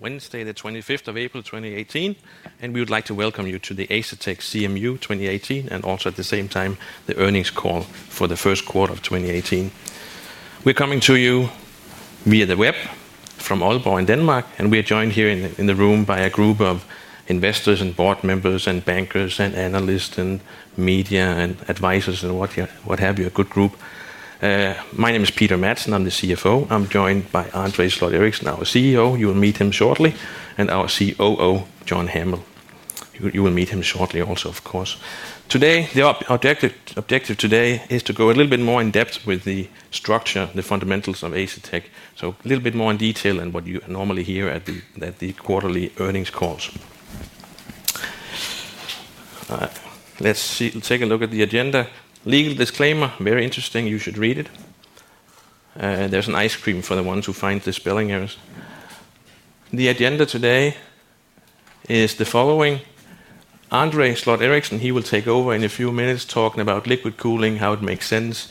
Wednesday the 25th of April, 2018, and we would like to welcome you to the Asetek CMU 2018, and also at the same time, the earnings call for the first quarter of 2018. We're coming to you via the web from Aalborg in Denmark, and we're joined here in the room by a group of investors and board members and bankers and analysts and media and advisors and what have you. A good group. My name is Peter Madsen, I'm the CFO. I'm joined by André Sloth Eriksen, our CEO, you will meet him shortly, and our COO, John Hamill. You will meet him shortly also, of course. The objective today is to go a little bit more in depth with the structure, the fundamentals of Asetek. A little bit more in detail than what you normally hear at the quarterly earnings calls. Let's take a look at the agenda. Legal disclaimer, very interesting, you should read it. There's an ice cream for the ones who find the spelling errors. The agenda today is the following, André Sloth Eriksen, he will take over in a few minutes, talking about liquid cooling, how it makes sense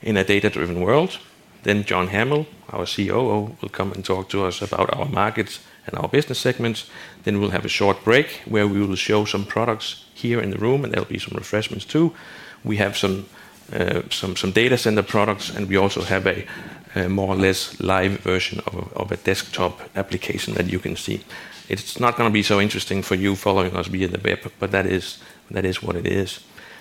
in a data-driven world. John Hamill, our COO, will come and talk to us about our markets and our business segments. We'll have a short break, where we will show some products here in the room, and there'll be some refreshments, too. We have some data center products, and we also have a more or less live version of a desktop application that you can see. It's not going to be so interesting for you following us via the web, but that is what it is.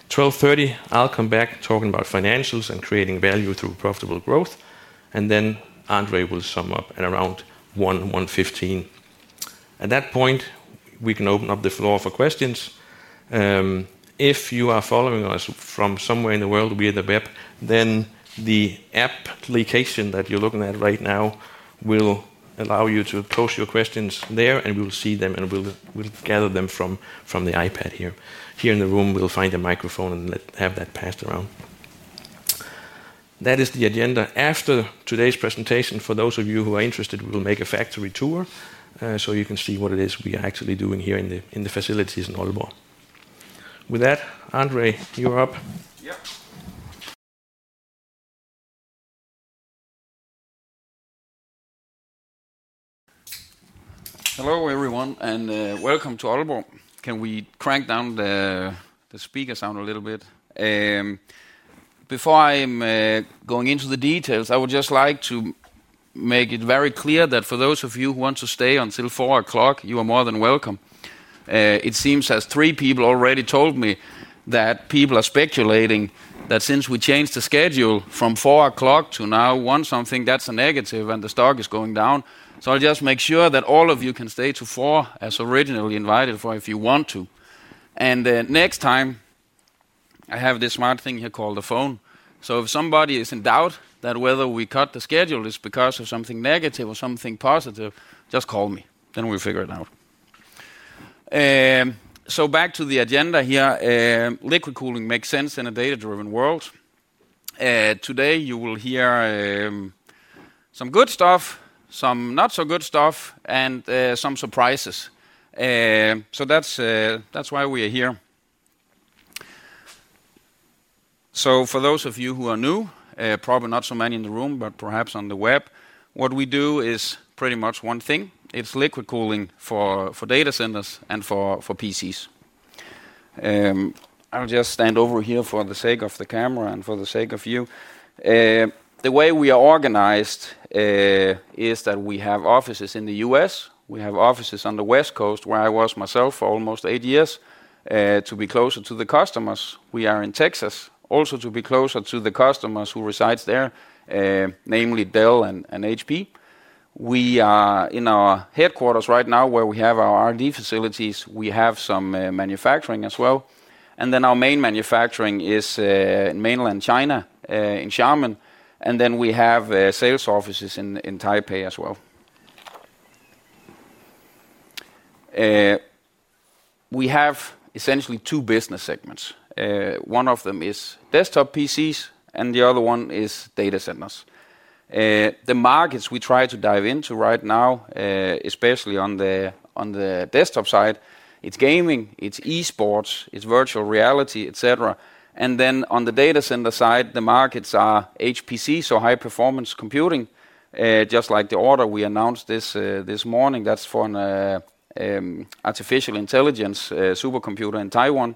12:30 P.M., I'll come back talking about financials and creating value through profitable growth. André will sum up at around 1:00 P.M., 1:15 P.M. At that point, we can open up the floor for questions. If you are following us from somewhere in the world via the web, then the application that you're looking at right now will allow you to post your questions there and we will see them, and we'll gather them from the iPad here. Here in the room, we'll find a microphone and have that passed around. That is the agenda. After today's presentation, for those of you who are interested, we'll make a factory tour, so you can see what it is we are actually doing here in the facilities in Aalborg. With that, André, you are up. Yep. Hello, everyone, and welcome to Aalborg. Can we crank down the speaker sound a little bit? Before I'm going into the details, I would just like to make it very clear that for those of you who want to stay until 4:00 P.M., you are more than welcome. It seems as three people already told me that people are speculating that since we changed the schedule from 4:00 P.M. to now one something, that's a negative, and the stock is going down. I'll just make sure that all of you can stay till 4 as originally invited for if you want to. Next time, I have this smart thing here called a phone. If somebody is in doubt that whether we cut the schedule is because of something negative or something positive, just call me, then we'll figure it out. Back to the agenda here, liquid cooling makes sense in a data-driven world. Today, you will hear some good stuff, some not so good stuff, and some surprises. That's why we are here. For those of you who are new, probably not so many in the room, but perhaps on the web, what we do is pretty much one thing. It's liquid cooling for data centers and for PCs. I'll just stand over here for the sake of the camera and for the sake of you. The way we are organized is that we have offices in the U.S., we have offices on the West Coast, where I was myself for almost eight years, to be closer to the customers. We are in Texas, also to be closer to the customers who reside there, namely Dell and HP. We are in our headquarters right now where we have our R&D facilities. We have some manufacturing as well. Our main manufacturing is in mainland China, in Xiamen. We have sales offices in Taipei as well. We have essentially two business segments. One of them is desktop PCs, and the other one is data centers. The markets we try to dive into right now, especially on the desktop side, it's gaming, it's esports, it's virtual reality, et cetera. On the data center side, the markets are HPC, so high performance computing, just like the order we announced this morning, that's for an artificial intelligence supercomputer in Taiwan.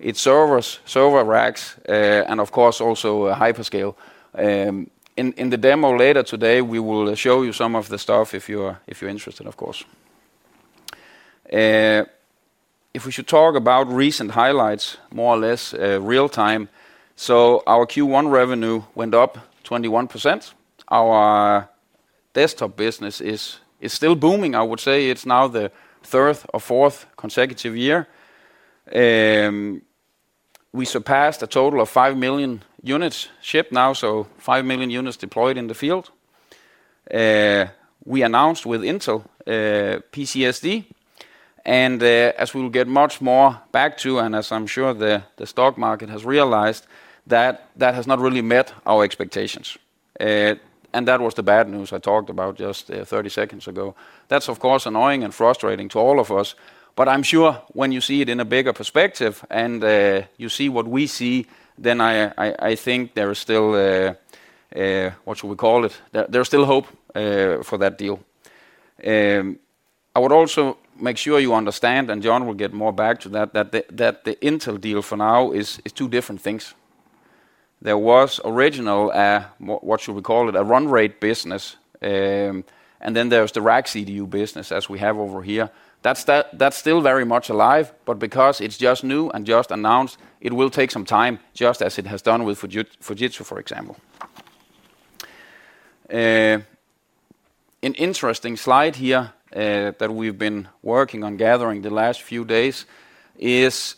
It's servers, server racks, and of course, also hyperscale. In the demo later today, we will show you some of the stuff if you're interested, of course. If we should talk about recent highlights, more or less real time, our Q1 revenue went up 21%. Our desktop business is still booming, I would say, it's now the third or fourth consecutive year. We surpassed a total of 5 million units shipped now, so 5 million units deployed in the field. We announced with Intel PCSD, and as we'll get much more back to, and as I'm sure the stock market has realized, that has not really met our expectations. That was the bad news I talked about just 30 seconds ago. That's of course annoying and frustrating to all of us, but I'm sure when you see it in a bigger perspective, and you see what we see, then I think there is still, what should we call it? There's still hope for that deal. I would also make sure you understand, and John will get more back to that the Intel deal for now is two different things. There was original, what should we call it? A run rate business, and then there's the RackCDU business as we have over here. That's still very much alive, but because it's just new and just announced, it will take some time, just as it has done with Fujitsu, for example. An interesting slide here, that we've been working on gathering the last few days is,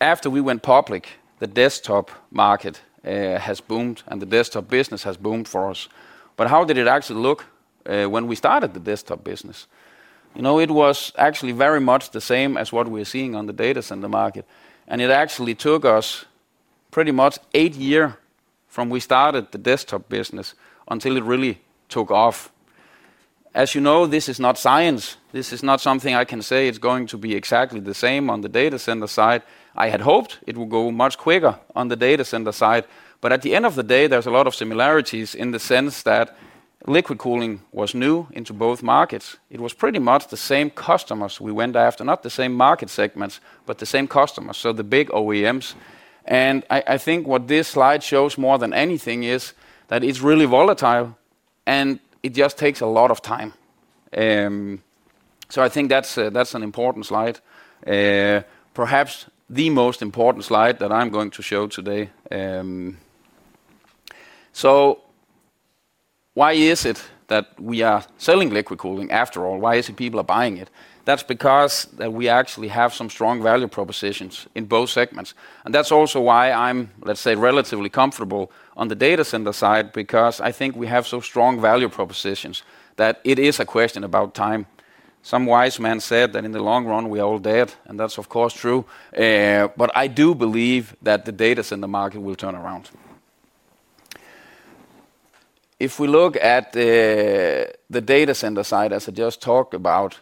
after we went public, the desktop market has boomed, and the desktop business has boomed for us. How did it actually look when we started the desktop business? It was actually very much the same as what we're seeing on the data center market. It actually took us pretty much 8 years from we started the desktop business until it really took off. As you know, this is not science. This is not something I can say it's going to be exactly the same on the data center side. I had hoped it would go much quicker on the data center side, but at the end of the day, there's a lot of similarities in the sense that liquid cooling was new into both markets. It was pretty much the same customers we went after, not the same market segments, but the same customers, so the big OEMs. I think what this slide shows more than anything is that it's really volatile, and it just takes a lot of time. I think that's an important slide. Perhaps the most important slide that I'm going to show today. Why is it that we are selling liquid cooling, after all? Why is it people are buying it? That's because we actually have some strong value propositions in both segments. That's also why I'm, let's say, relatively comfortable on the data center side because I think we have so strong value propositions that it is a question about time. Some wise man said that in the long run, we're all dead, and that's of course true. I do believe that the data center market will turn around. If we look at the data center side, as I just talked about,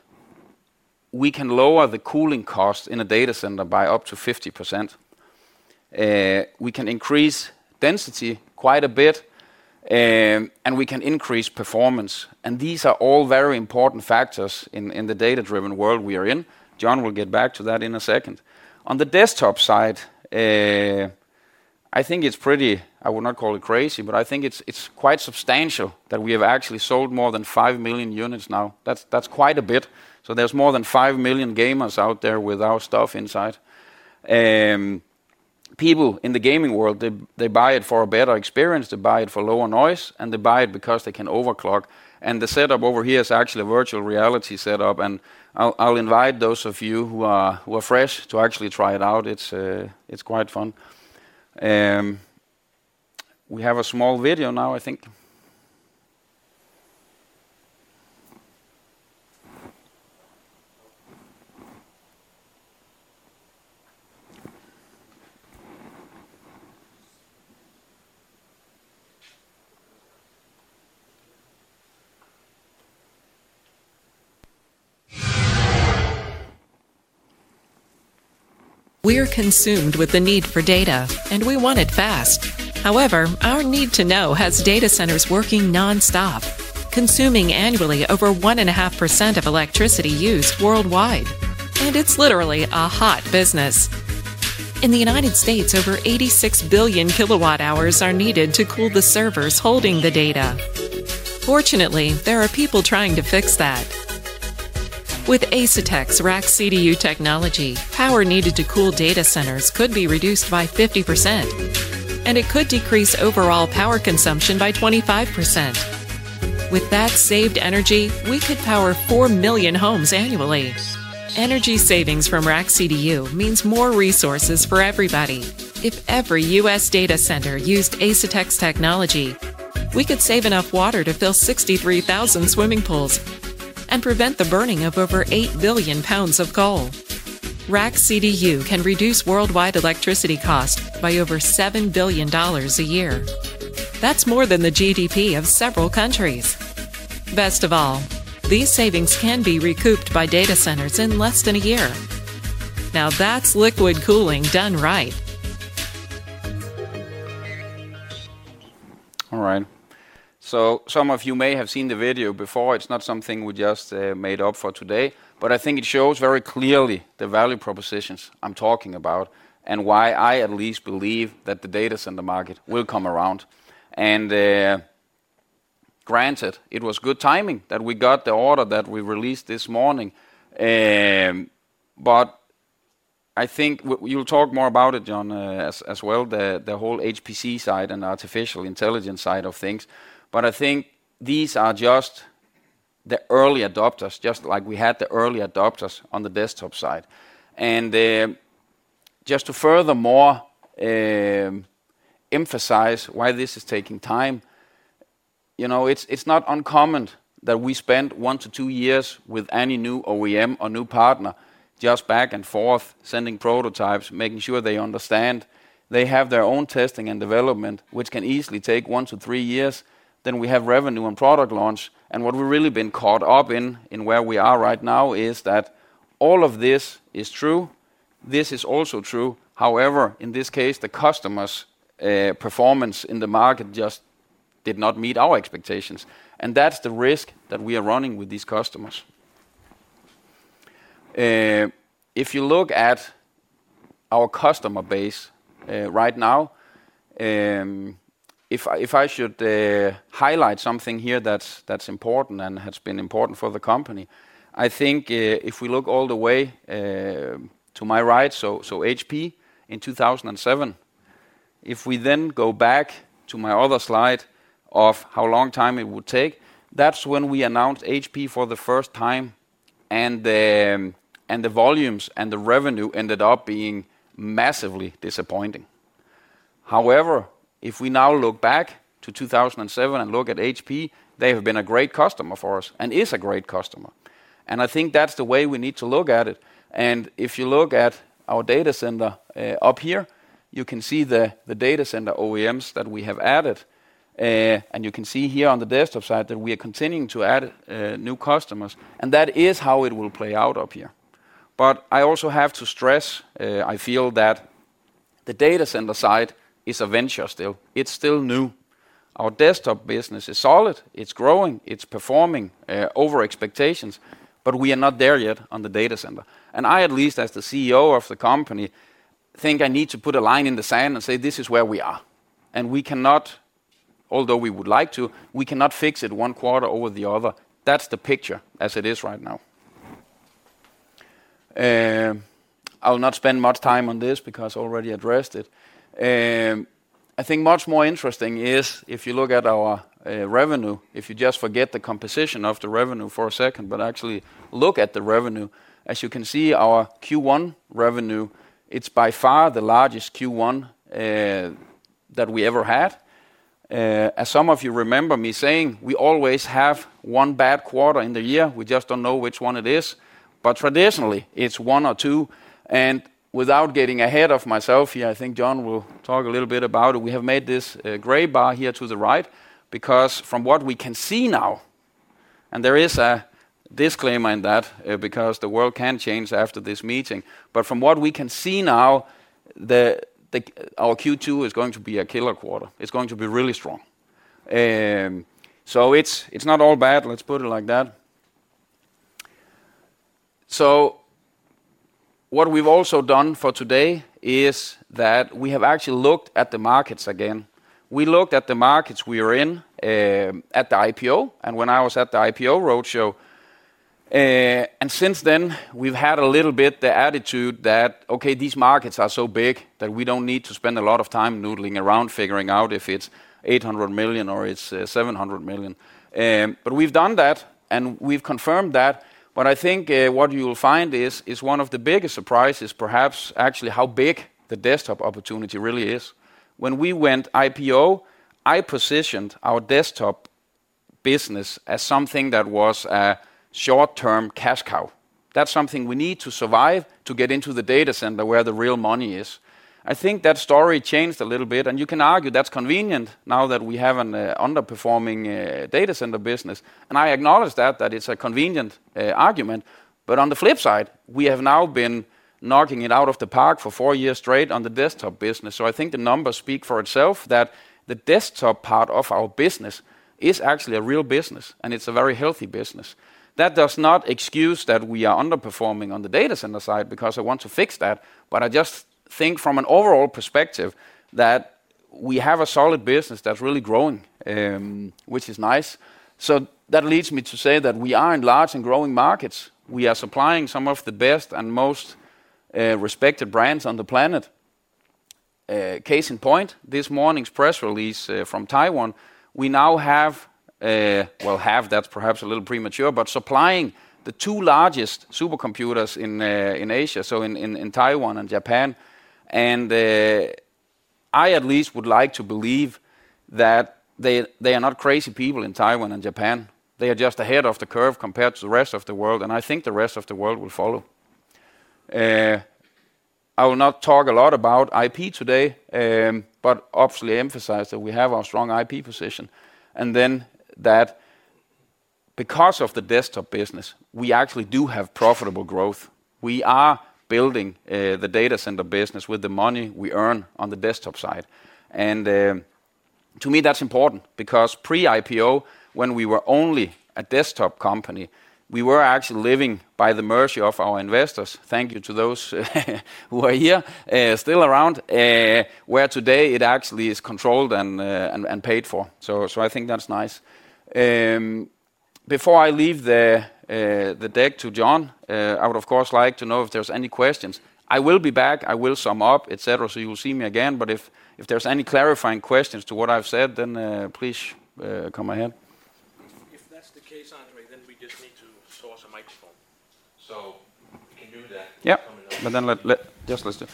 we can lower the cooling cost in a data center by up to 50%. We can increase density quite a bit. We can increase performance, and these are all very important factors in the data-driven world we are in. John will get back to that in a second. On the desktop side, I think it's pretty, I would not call it crazy, but I think it's quite substantial that we have actually sold more than 5 million units now. That's quite a bit. There's more than 5 million gamers out there with our stuff inside. People in the gaming world, they buy it for a better experience, they buy it for lower noise, and they buy it because they can overclock. The setup over here is actually a virtual reality setup, and I'll invite those of you who are fresh to actually try it out. It's quite fun. We have a small video now, I think. We're consumed with the need for data. We want it fast. However, our need to know has data centers working nonstop, consuming annually over 1.5% of electricity used worldwide. It's literally a hot business. In the U.S., over 86 billion kilowatt hours are needed to cool the servers holding the data. Fortunately, there are people trying to fix that. With Asetek's RackCDU technology, power needed to cool data centers could be reduced by 50%, and it could decrease overall power consumption by 25%. With that saved energy, we could power 4 million homes annually. Energy savings from RackCDU means more resources for everybody. If every U.S. data center used Asetek's technology, we could save enough water to fill 63,000 swimming pools and prevent the burning of over 8 billion pounds of coal. RackCDU can reduce worldwide electricity costs by over $7 billion a year. That's more than the GDP of several countries. Best of all, these savings can be recouped by data centers in less than a year. That's liquid cooling done right. Some of you may have seen the video before. It's not something we just made up for today, I think it shows very clearly the value propositions I'm talking about and why I at least believe that the data center market will come around. Granted, it was good timing that we got the order that we released this morning. I think we will talk more about it, John, as well, the whole HPC side and artificial intelligence side of things. I think these are just the early adopters, just like we had the early adopters on the desktop side. Just to furthermore emphasize why this is taking time, it's not uncommon that we spend one to two years with any new OEM or new partner, just back and forth, sending prototypes, making sure they understand. They have their own testing and development, which can easily take one to three years. We have revenue and product launch, and what we've really been caught up in where we are right now, is that all of this is true. This is also true. However, in this case, the customer's performance in the market just did not meet our expectations, and that's the risk that we are running with these customers. If you look at our customer base right now, if I should highlight something here that's important and has been important for the company, I think if we look all the way to my right, HP in 2007. If we go back to my other slide of how long time it would take, that's when we announced HP for the first time and the volumes and the revenue ended up being massively disappointing. However, if we now look back to 2007 and look at HP, they have been a great customer for us and is a great customer. I think that's the way we need to look at it. If you look at our data center up here, you can see the data center OEMs that we have added. You can see here on the desktop side that we are continuing to add new customers, and that is how it will play out up here. I also have to stress, I feel that the data center side is a venture still. It's still new. Our desktop business is solid, it's growing, it's performing over expectations, but we are not there yet on the data center. I at least, as the CEO of the company, think I need to put a line in the sand and say, "This is where we are." Although we would like to, we cannot fix it one quarter over the other. That's the picture as it is right now. I'll not spend much time on this because I already addressed it. I think much more interesting is if you look at our revenue, if you just forget the composition of the revenue for a second, but actually look at the revenue. As you can see, our Q1 revenue, it's by far the largest Q1 that we ever had. As some of you remember me saying, we always have one bad quarter in the year. We just don't know which one it is. Traditionally, it's one or two, and without getting ahead of myself here, I think John will talk a little bit about it. We have made this gray bar here to the right, because from what we can see now, and there is a disclaimer in that because the world can change after this meeting, but from what we can see now, our Q2 is going to be a killer quarter. It's going to be really strong. It's not all bad, let's put it like that. What we've also done for today is that we have actually looked at the markets again. We looked at the markets we are in at the IPO and when I was at the IPO roadshow. Since then, we've had a little bit the attitude that, okay, these markets are so big that we don't need to spend a lot of time noodling around figuring out if it's $800 million or it's $700 million. We've done that, and we've confirmed that. I think what you'll find is one of the biggest surprises perhaps actually how big the desktop opportunity really is. When we went IPO, I positioned our desktop business as something that was a short-term cash cow. That's something we need to survive to get into the data center where the real money is. I think that story changed a little bit, and you can argue that's convenient now that we have an underperforming data center business. I acknowledge that it's a convenient argument. On the flip side, we have now been knocking it out of the park for four years straight on the desktop business. I think the numbers speak for itself that the desktop part of our business is actually a real business, and it's a very healthy business. That does not excuse that we are underperforming on the data center side because I want to fix that. I just think from an overall perspective, that we have a solid business that's really growing, which is nice. That leads me to say that we are in large and growing markets. We are supplying some of the best and most respected brands on the planet. Case in point, this morning's press release from Taiwan, we now have, well, have, that's perhaps a little premature, but supplying the two largest supercomputers in Asia, so in Taiwan and Japan. I at least would like to believe that they are not crazy people in Taiwan and Japan. They are just ahead of the curve compared to the rest of the world, and I think the rest of the world will follow. I will not talk a lot about IP today, but obviously emphasize that we have our strong IP position. Because of the desktop business, we actually do have profitable growth. We are building the data center business with the money we earn on the desktop side. To me, that's important because pre-IPO, when we were only a desktop company, we were actually living by the mercy of our investors. Thank you to those who are here, still around. Where today it actually is controlled and paid for. I think that's nice. Before I leave the deck to John, I would of course like to know if there's any questions. I will be back. I will sum up, et cetera, so you will see me again. If there's any clarifying questions to what I've said, then please come ahead. If that's the case, André, we just need to source a microphone. We can do that coming up. Yeah. Let's do.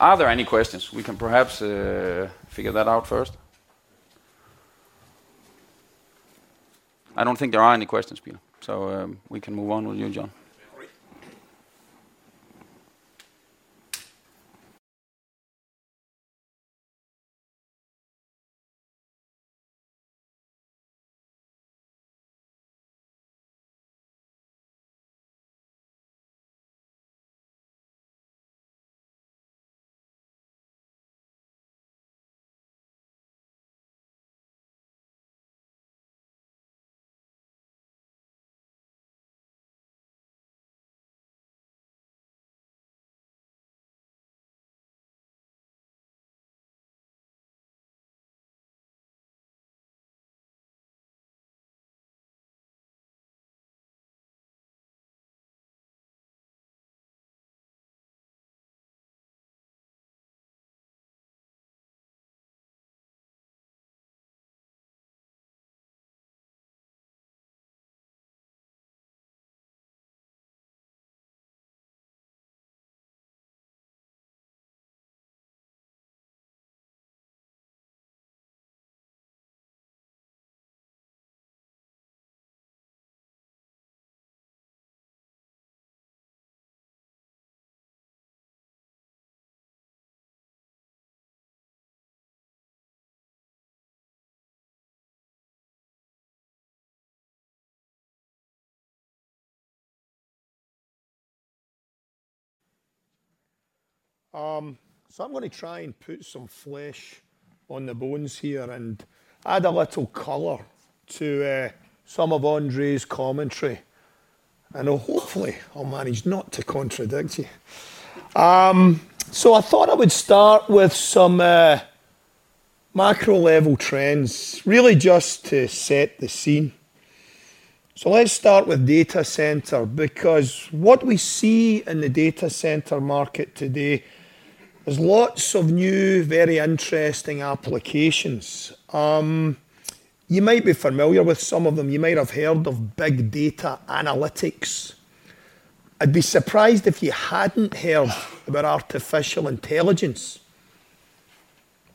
Are there any questions? We can perhaps figure that out first. I don't think there are any questions, Peter, we can move on with you, John. All right. I'm going to try and put some flesh on the bones here and add a little color to some of André's commentary, and hopefully I'll manage not to contradict you. I thought I would start with some macro-level trends, really just to set the scene. Let's start with data center, because what we see in the data center market today is lots of new, very interesting applications. You might be familiar with some of them. You might have heard of big data analytics. I'd be surprised if you hadn't heard about artificial intelligence.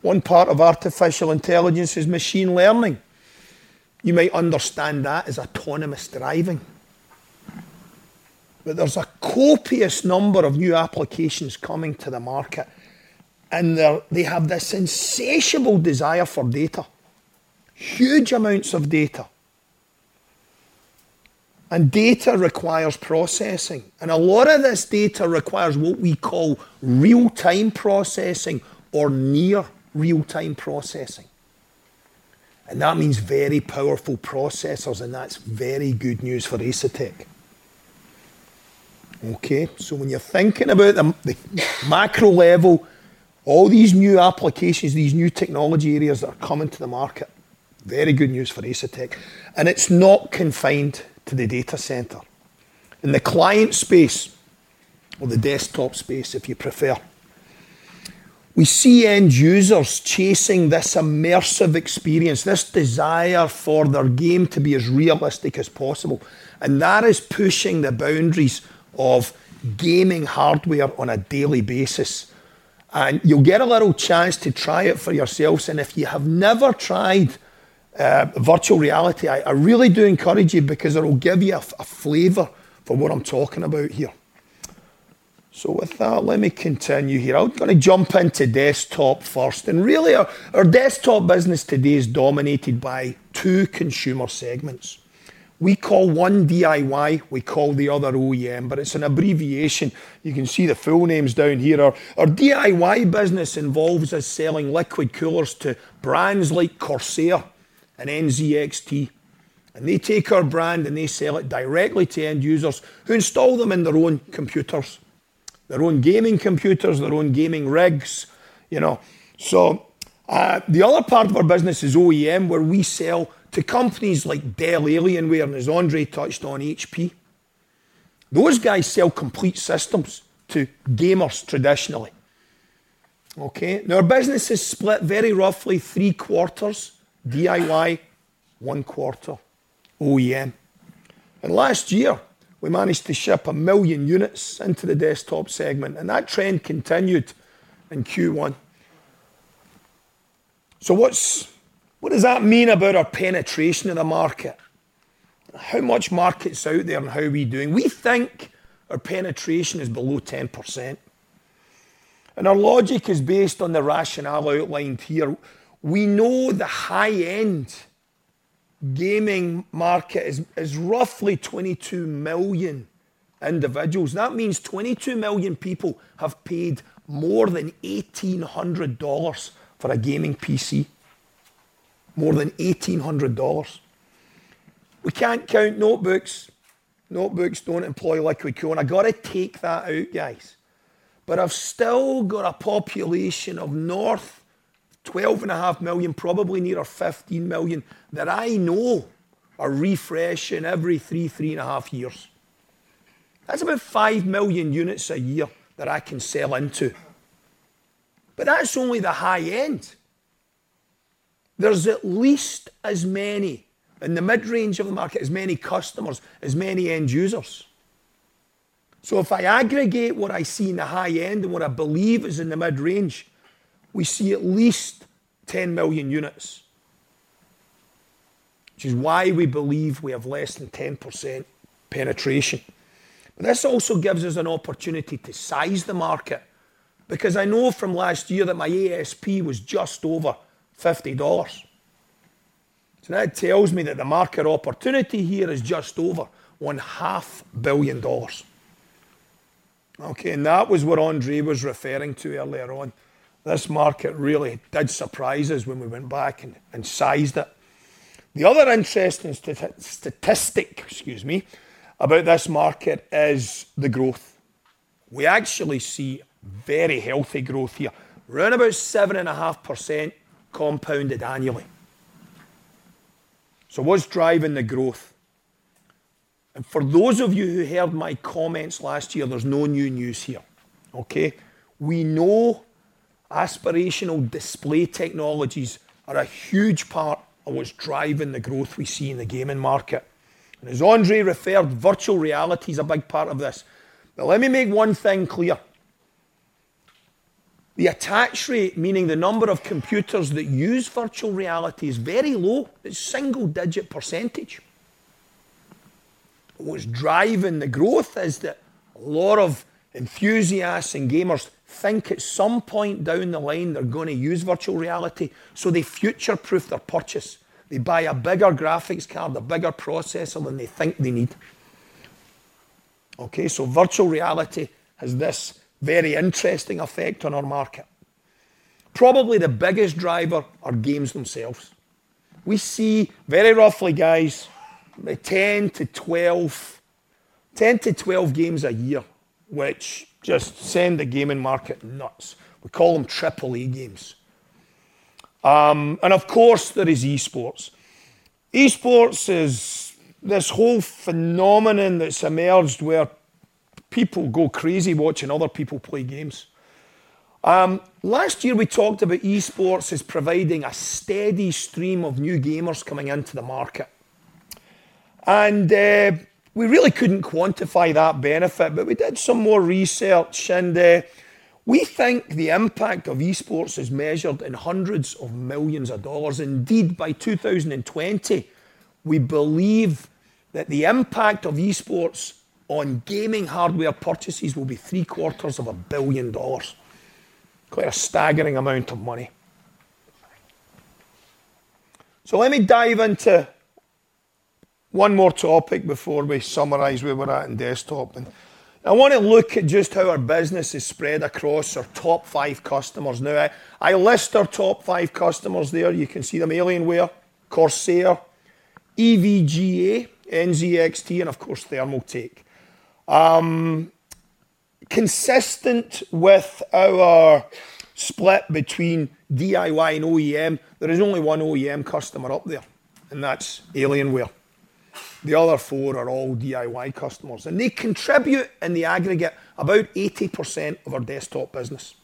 One part of artificial intelligence is machine learning. You might understand that as autonomous driving. There's a copious number of new applications coming to the market, and they have this insatiable desire for data. Huge amounts of data. Data requires processing, and a lot of this data requires what we call real-time processing or near real-time processing. That means very powerful processors, and that's very good news for Asetek. Okay? When you're thinking about the macro level, all these new applications, these new technology areas that are coming to the market, very good news for Asetek, and it's not confined to the data center. In the client space, or the desktop space, if you prefer, we see end users chasing this immersive experience, this desire for their game to be as realistic as possible. That is pushing the boundaries of gaming hardware on a daily basis. You'll get a little chance to try it for yourselves, and if you have never tried virtual reality, I really do encourage you because it'll give you a flavor for what I'm talking about here. With that, let me continue here. I'm going to jump into desktop first. Really our desktop business today is dominated by two consumer segments. We call one DIY, we call the other OEM, but it's an abbreviation. You can see the full names down here. Our DIY business involves us selling liquid coolers to brands like Corsair and NZXT. They take our brand, and they sell it directly to end users who install them in their own computers, their own gaming computers, their own gaming rigs. The other part of our business is OEM, where we sell to companies like Dell, Alienware, and as André touched on, HP. Those guys sell complete systems to gamers traditionally. Okay? Now our business is split very roughly three quarters DIY, one quarter OEM. Last year, we managed to ship 1 million units into the desktop segment, and that trend continued in Q1. What does that mean about our penetration in the market? How much market is out there, and how are we doing? We think our penetration is below 10%. Our logic is based on the rationale outlined here. We know the high-end gaming market is roughly 22 million individuals. That means 22 million people have paid more than $1,800 for a gaming PC. More than $1,800. We cannot count notebooks. Notebooks do not employ liquid cooling. I got to take that out, guys. I have still got a population of north 12.5 million, probably nearer 15 million, that I know are refreshing every three and a half years. That is about 5 million units a year that I can sell into. That is only the high end. There is at least as many in the mid-range of the market, as many customers, as many end users. If I aggregate what I see in the high end and what I believe is in the mid-range, we see at least 10 million units, which is why we believe we have less than 10% penetration. This also gives us an opportunity to size the market, because I know from last year that my ASP was just over $50. That tells me that the market opportunity here is just over one half billion dollars. Okay, that was what André was referring to earlier on. This market really did surprise us when we went back and sized it. The other interesting statistic, excuse me, about this market is the growth. We actually see very healthy growth here, around about 7.5% compounded annually. What is driving the growth? For those of you who heard my comments last year, there is no new news here. Okay? We know aspirational display technologies are a huge part of what is driving the growth we see in the gaming market. As André referred, virtual reality is a big part of this. Let me make one thing clear. The attach rate, meaning the number of computers that use virtual reality is very low. It is single digit percentage. What is driving the growth is that a lot of enthusiasts and gamers think at some point down the line they are going to use virtual reality, so they future-proof their purchase. They buy a bigger graphics card, a bigger processor than they think they need. Okay, virtual reality has this very interesting effect on our market. Probably the biggest driver are games themselves. We see very roughly, guys, 10 to 12 games a year which just send the gaming market nuts. We call them AAA games. Of course there is esports. Esports is this whole phenomenon that has emerged where people go crazy watching other people play games. Last year we talked about esports as providing a steady stream of new gamers coming into the market. We really could not quantify that benefit, but we did some more research and we think the impact of esports is measured in hundreds of millions of dollars. Indeed, by 2020, we believe that the impact of esports on gaming hardware purchases will be three quarters of a billion dollars. Quite a staggering amount of money. Let me dive into one more topic before we summarize where we are at in desktop. I want to look at just how our business is spread across our top five customers. I list our top five customers there. You can see them, Alienware, Corsair, EVGA, NZXT, and of course Thermaltake. Consistent with our split between DIY and OEM, there is only one OEM customer up there, and that's Alienware. The other four are all DIY customers. They contribute in the aggregate about 80% of our desktop business.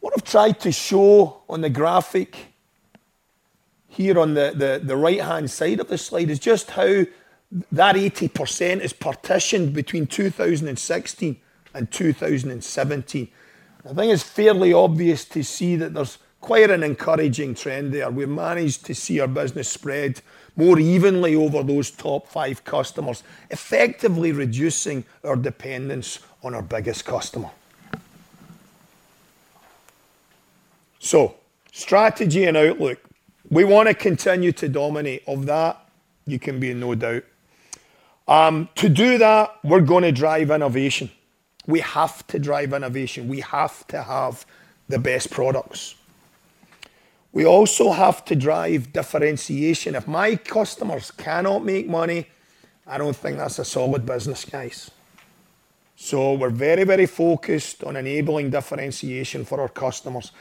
What I've tried to show on the graphic here on the right-hand side of this slide is just how that 80% is partitioned between 2016 and 2017. I think it's fairly obvious to see that there's quite an encouraging trend there. We've managed to see our business spread more evenly over those top five customers, effectively reducing our dependence on our biggest customer. Strategy and outlook. We want to continue to dominate. Of that you can be in no doubt. To do that we're going to drive innovation. We have to drive innovation. We have to have the best products. We also have to drive differentiation. If my customers cannot make money, I don't think that's a solid business case. We're very focused on enabling differentiation for our customers.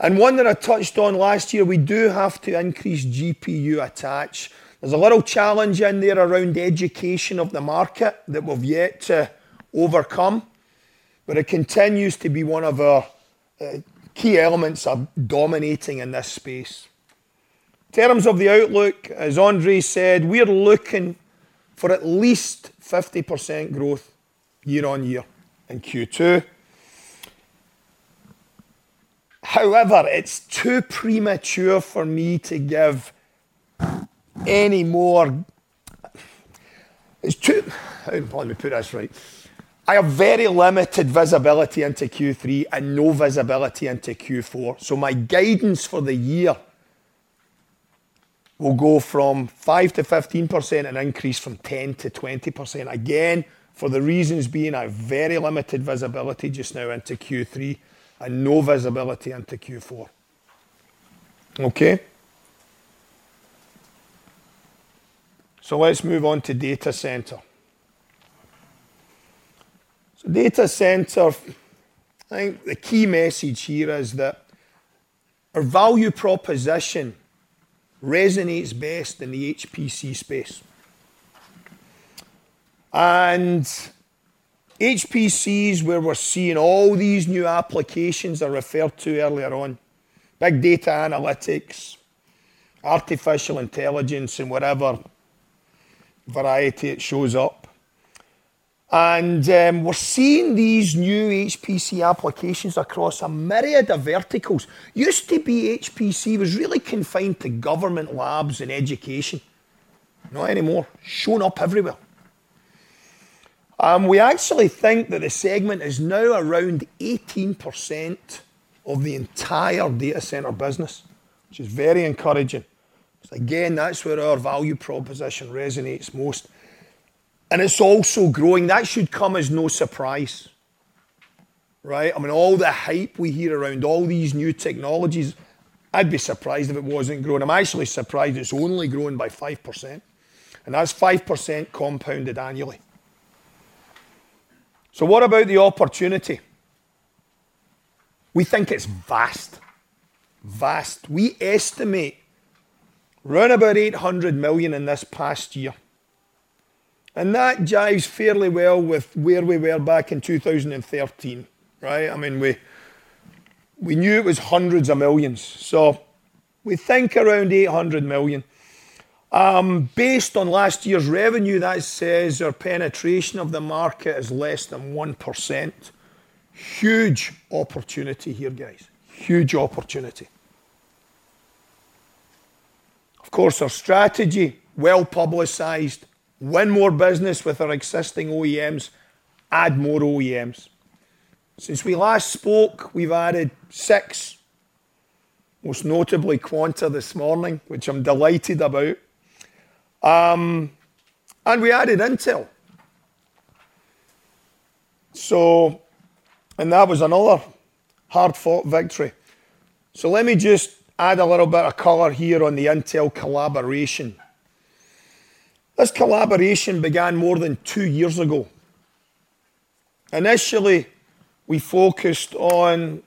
One that I touched on last year, we do have to increase GPU attach. There's a lot of challenge in there around the education of the market that we've yet to overcome, but it continues to be one of our key elements of dominating in this space. In terms of the outlook, as André said, we are looking for at least 50% growth year-on-year in Q2. However, it's too premature for me to give any more. How do I put this right? I have very limited visibility into Q3 and no visibility into Q4, my guidance for the year will go from 5%-15% and increase from 10%-20%, again, for the reasons being I have very limited visibility just now into Q3 and no visibility into Q4. Okay? Let's move on to data center. Data center, I think the key message here is that our value proposition resonates best in the HPC space. HPC is where we're seeing all these new applications I referred to earlier on, big data analytics, artificial intelligence, in whatever variety it shows up. We're seeing these new HPC applications across a myriad of verticals. Used to be HPC was really confined to government labs and education. Not anymore. Showing up everywhere. We actually think that the segment is now around 18% of the entire data center business, which is very encouraging, because again, that's where our value proposition resonates most. It's also growing. That should come as no surprise, right? I mean, all the hype we hear around all these new technologies, I'd be surprised if it wasn't growing. I'm actually surprised it's only grown by 5%, and that's 5% compounded annually. What about the opportunity? We think it's vast. Vast. We estimate around about $800 million in this past year, and that jives fairly well with where we were back in 2013, right? I mean, we knew it was hundreds of millions. We think around $800 million. Based on last year's revenue, that says our penetration of the market is less than 1%. Huge opportunity here, guys. Huge opportunity. Our strategy, well-publicized. Win more business with our existing OEMs, add more OEMs. Since we last spoke, we've added six, most notably Quanta this morning, which I'm delighted about. We added Intel, and that was another hard-fought victory. Let me just add a little bit of color here on the Intel collaboration. This collaboration began more than 2 years ago. Initially, we focused on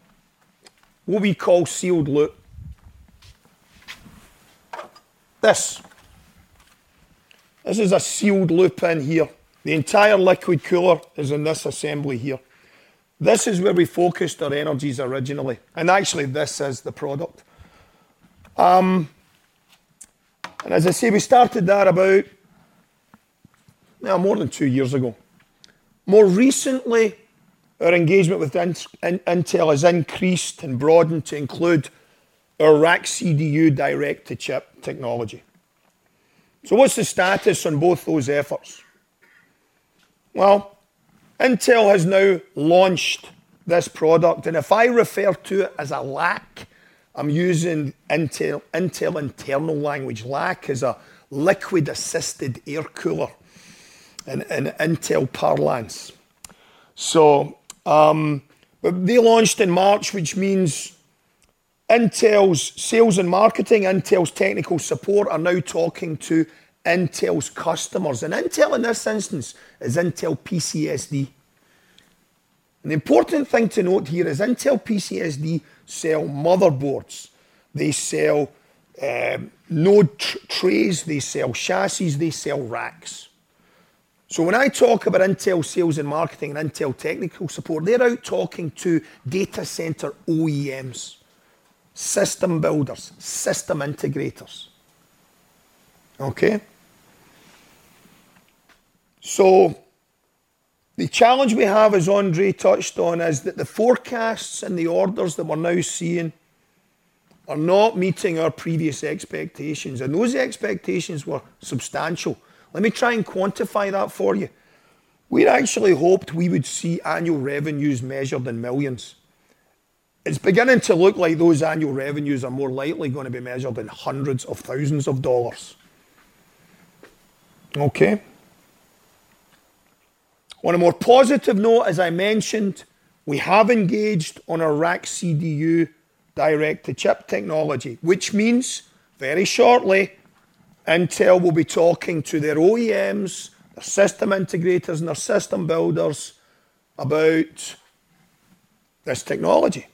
what we call sealed loop. This is a sealed loop in here. The entire liquid cooler is in this assembly here. This is where we focused our energies originally, and actually, this is the product. As I say, we started that about now more than 2 years ago. More recently, our engagement with Intel has increased and broadened to include our RackCDU direct-to-chip technology. What's the status on both those efforts? Intel has now launched this product, and if I refer to it as a LAC, I'm using Intel internal language. LAC is a liquid-assisted air cooler in Intel parlance. They launched in March, which means Intel's sales and marketing, Intel's technical support are now talking to Intel's customers. Intel, in this instance, is Intel PCSD. An important thing to note here is Intel PCSD sell motherboards. They sell node trays. They sell chassis. They sell racks. When I talk about Intel sales and marketing and Intel technical support, they're out talking to data center OEMs, system builders, system integrators. Okay? The challenge we have, as André touched on, is that the forecasts and the orders that we're now seeing are not meeting our previous expectations, and those expectations were substantial. Let me try and quantify that for you. We'd actually hoped we would see annual revenues measured in millions. It's beginning to look like those annual revenues are more likely going to be measured in hundreds of thousands of dollars. Okay? On a more positive note, as I mentioned, we have engaged on our RackCDU direct-to-chip technology, which means very shortly, Intel will be talking to their OEMs, their system integrators, and their system builders about this technology.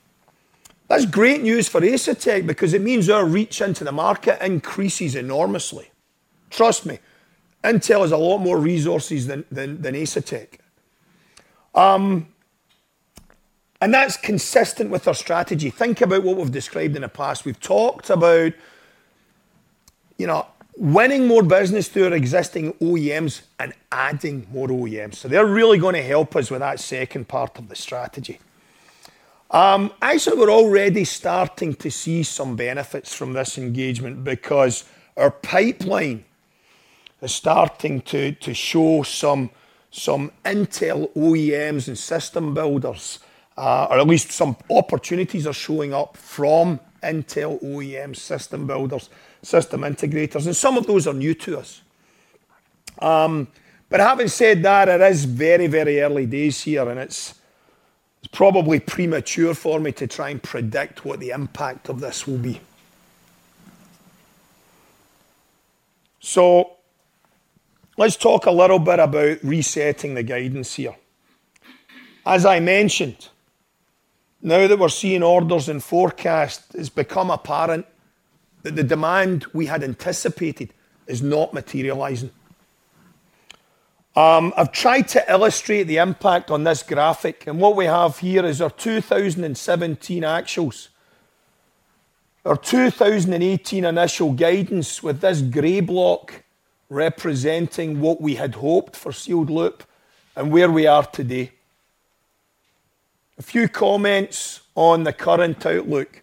That's great news for Asetek because it means our reach into the market increases enormously. Trust me, Intel has a lot more resources than Asetek. That's consistent with our strategy. Think about what we've described in the past. We've talked about winning more business through our existing OEMs and adding more OEMs. They're really going to help us with that second part of the strategy. Actually, we're already starting to see some benefits from this engagement because our pipeline is starting to show some Intel OEMs and system builders, or at least some opportunities are showing up from Intel OEM system builders, system integrators, and some of those are new to us. Having said that, it is very early days here, and it's probably premature for me to try and predict what the impact of this will be. Let's talk a little bit about resetting the guidance here. As I mentioned, now that we're seeing orders and forecasts, it's become apparent that the demand we had anticipated is not materializing. I've tried to illustrate the impact on this graphic. What we have here is our 2017 actuals. Our 2018 initial guidance with this gray block representing what we had hoped for sealed loop and where we are today. A few comments on the current outlook.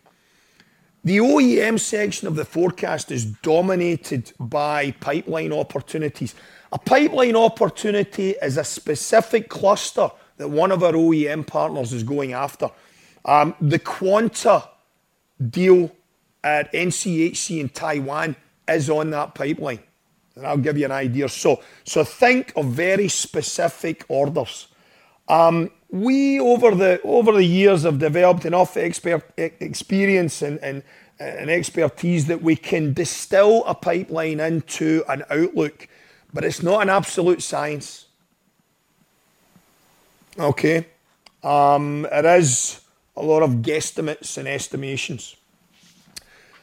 The OEM section of the forecast is dominated by pipeline opportunities. A pipeline opportunity is a specific cluster that one of our OEM partners is going after. The Quanta deal at NCHC in Taiwan is on that pipeline, and that'll give you an idea. Think of very specific orders. We, over the years, have developed enough experience and expertise that we can distill a pipeline into an outlook, but it's not an absolute science. Okay? It is a lot of guesstimates and estimations.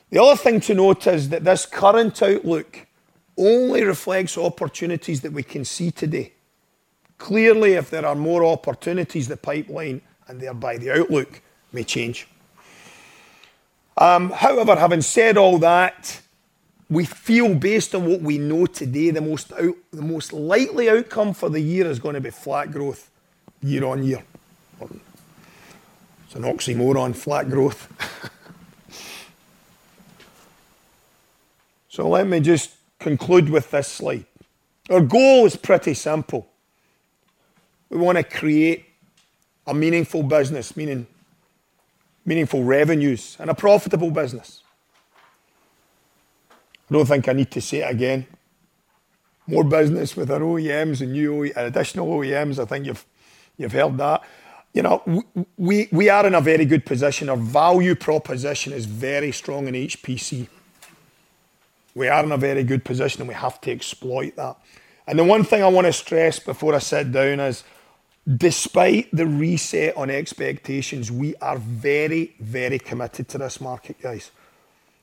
The other thing to note is that this current outlook only reflects opportunities that we can see today. Clearly, if there are more opportunities in the pipeline, and thereby the outlook may change. Having said all that, we feel based on what we know today, the most likely outcome for the year is going to be flat growth year-on-year. It's an oxymoron, flat growth. Let me just conclude with this slide. Our goal is pretty simple. We want to create a meaningful business, meaning meaningful revenues and a profitable business. Don't think I need to say it again. More business with our OEMs and additional OEMs. I think you've heard that. We are in a very good position. Our value proposition is very strong in HPC. We are in a very good position, and we have to exploit that. The one thing I want to stress before I sit down is, despite the reset on expectations, we are very committed to this market, guys.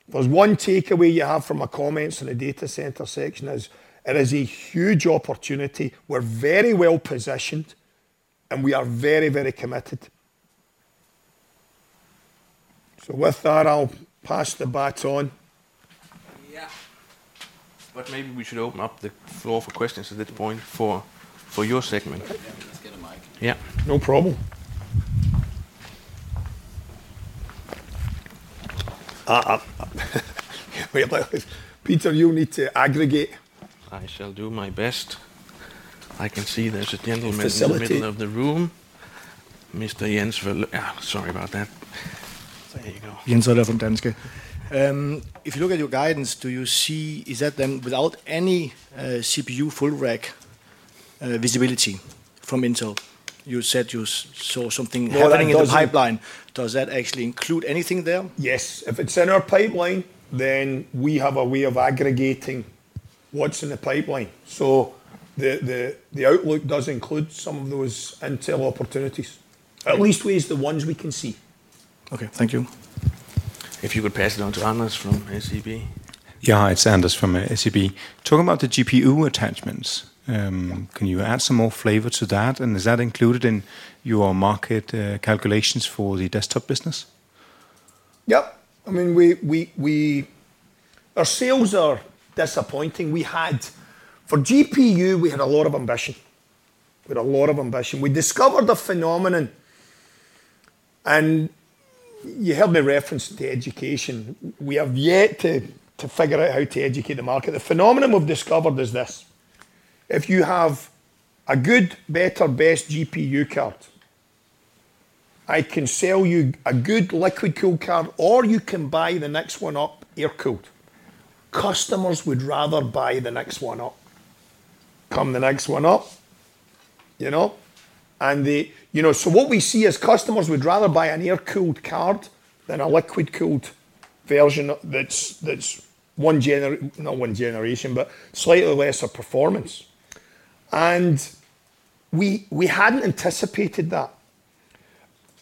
If there's one takeaway you have from my comments in the data center section is, it is a huge opportunity. We're very well-positioned, and we are very committed. With that, I'll pass the bat on. Yeah. Maybe we should open up the floor for questions at this point for your segment. Yeah. Let's get a mic. Yeah. No problem. Peter, you need to aggregate. I shall do my best. I can see there's a gentleman. Facility In the middle of the room. Mr. Jens. Sorry about that. There you go. Jens Ole from Danske. If you look at your guidance, do you see, is that then without any CPU full rack visibility from Intel? You said you saw something happening in the pipeline. Does that actually include anything there? Yes. If it's in our pipeline, then we have a way of aggregating what's in the pipeline. The outlook does include some of those Intel opportunities, at least the ones we can see. Okay. Thank you. If you could pass it on to Anders from SEB. Yeah. It's Anders from SEB. Talking about the GPU attachments, can you add some more flavor to that, and is that included in your market calculations for the desktop business? Yep. Our sales are disappointing. For GPU, we had a lot of ambition. We discovered the phenomenon, and you heard me reference the education. We have yet to figure out how to educate the market. The phenomenon we've discovered is this. If you have a good, better, best GPU card, I can sell you a good liquid-cooled card, or you can buy the next one up air-cooled. Customers would rather buy the next one up. Come the next one up. What we see is customers would rather buy an air-cooled card than a liquid-cooled version that's not one generation, but slightly lesser performance. We hadn't anticipated that.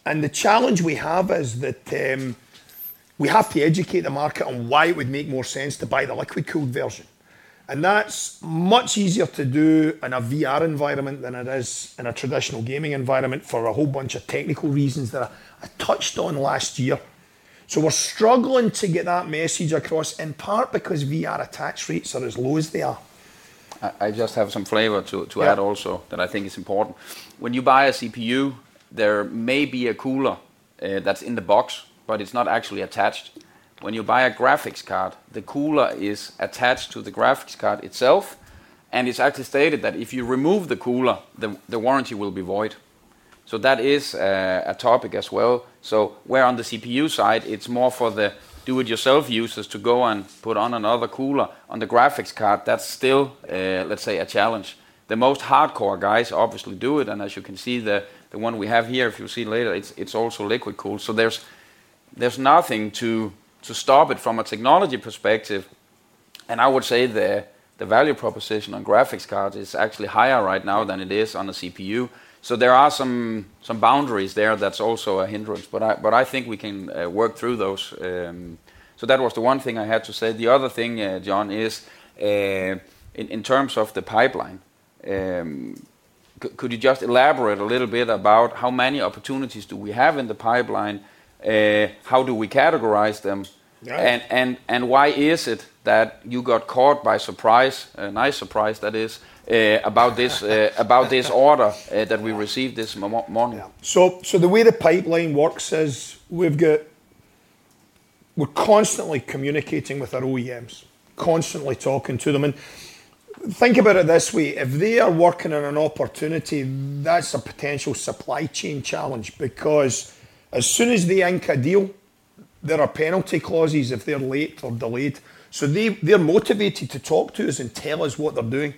The challenge we have is that we have to educate the market on why it would make more sense to buy the liquid-cooled version. That's much easier to do in a VR environment than it is in a traditional gaming environment for a whole bunch of technical reasons that I touched on last year. We're struggling to get that message across, in part because VR attach rates are as low as they are. I just have some flavor to add also. Yeah that I think is important. When you buy a CPU, there may be a cooler that's in the box, but it's not actually attached. When you buy a graphics card, the cooler is attached to the graphics card itself, and it's actually stated that if you remove the cooler, the warranty will be void. That is a topic as well. Where on the CPU side, it's more for the do-it-yourself users to go and put on another cooler. On the graphics card, that's still, let's say, a challenge. The most hardcore guys obviously do it, and as you can see the one we have here, if you'll see later, it's also liquid-cooled. There's nothing to stop it from a technology perspective, and I would say the value proposition on graphics cards is actually higher right now than it is on a CPU. There are some boundaries there that's also a hindrance, but I think we can work through those. That was the one thing I had to say. The other thing, John, is in terms of the pipeline. Could you just elaborate a little bit about how many opportunities do we have in the pipeline? How do we categorize them? Yeah. Why is it that you got caught by surprise, a nice surprise that is, about this order that we received this morning? The way the pipeline works is we're constantly communicating with our OEMs, constantly talking to them. Think about it this way, if they are working on an opportunity, that's a potential supply chain challenge because as soon as they ink a deal, there are penalty clauses if they're late or delayed. They're motivated to talk to us and tell us what they're doing.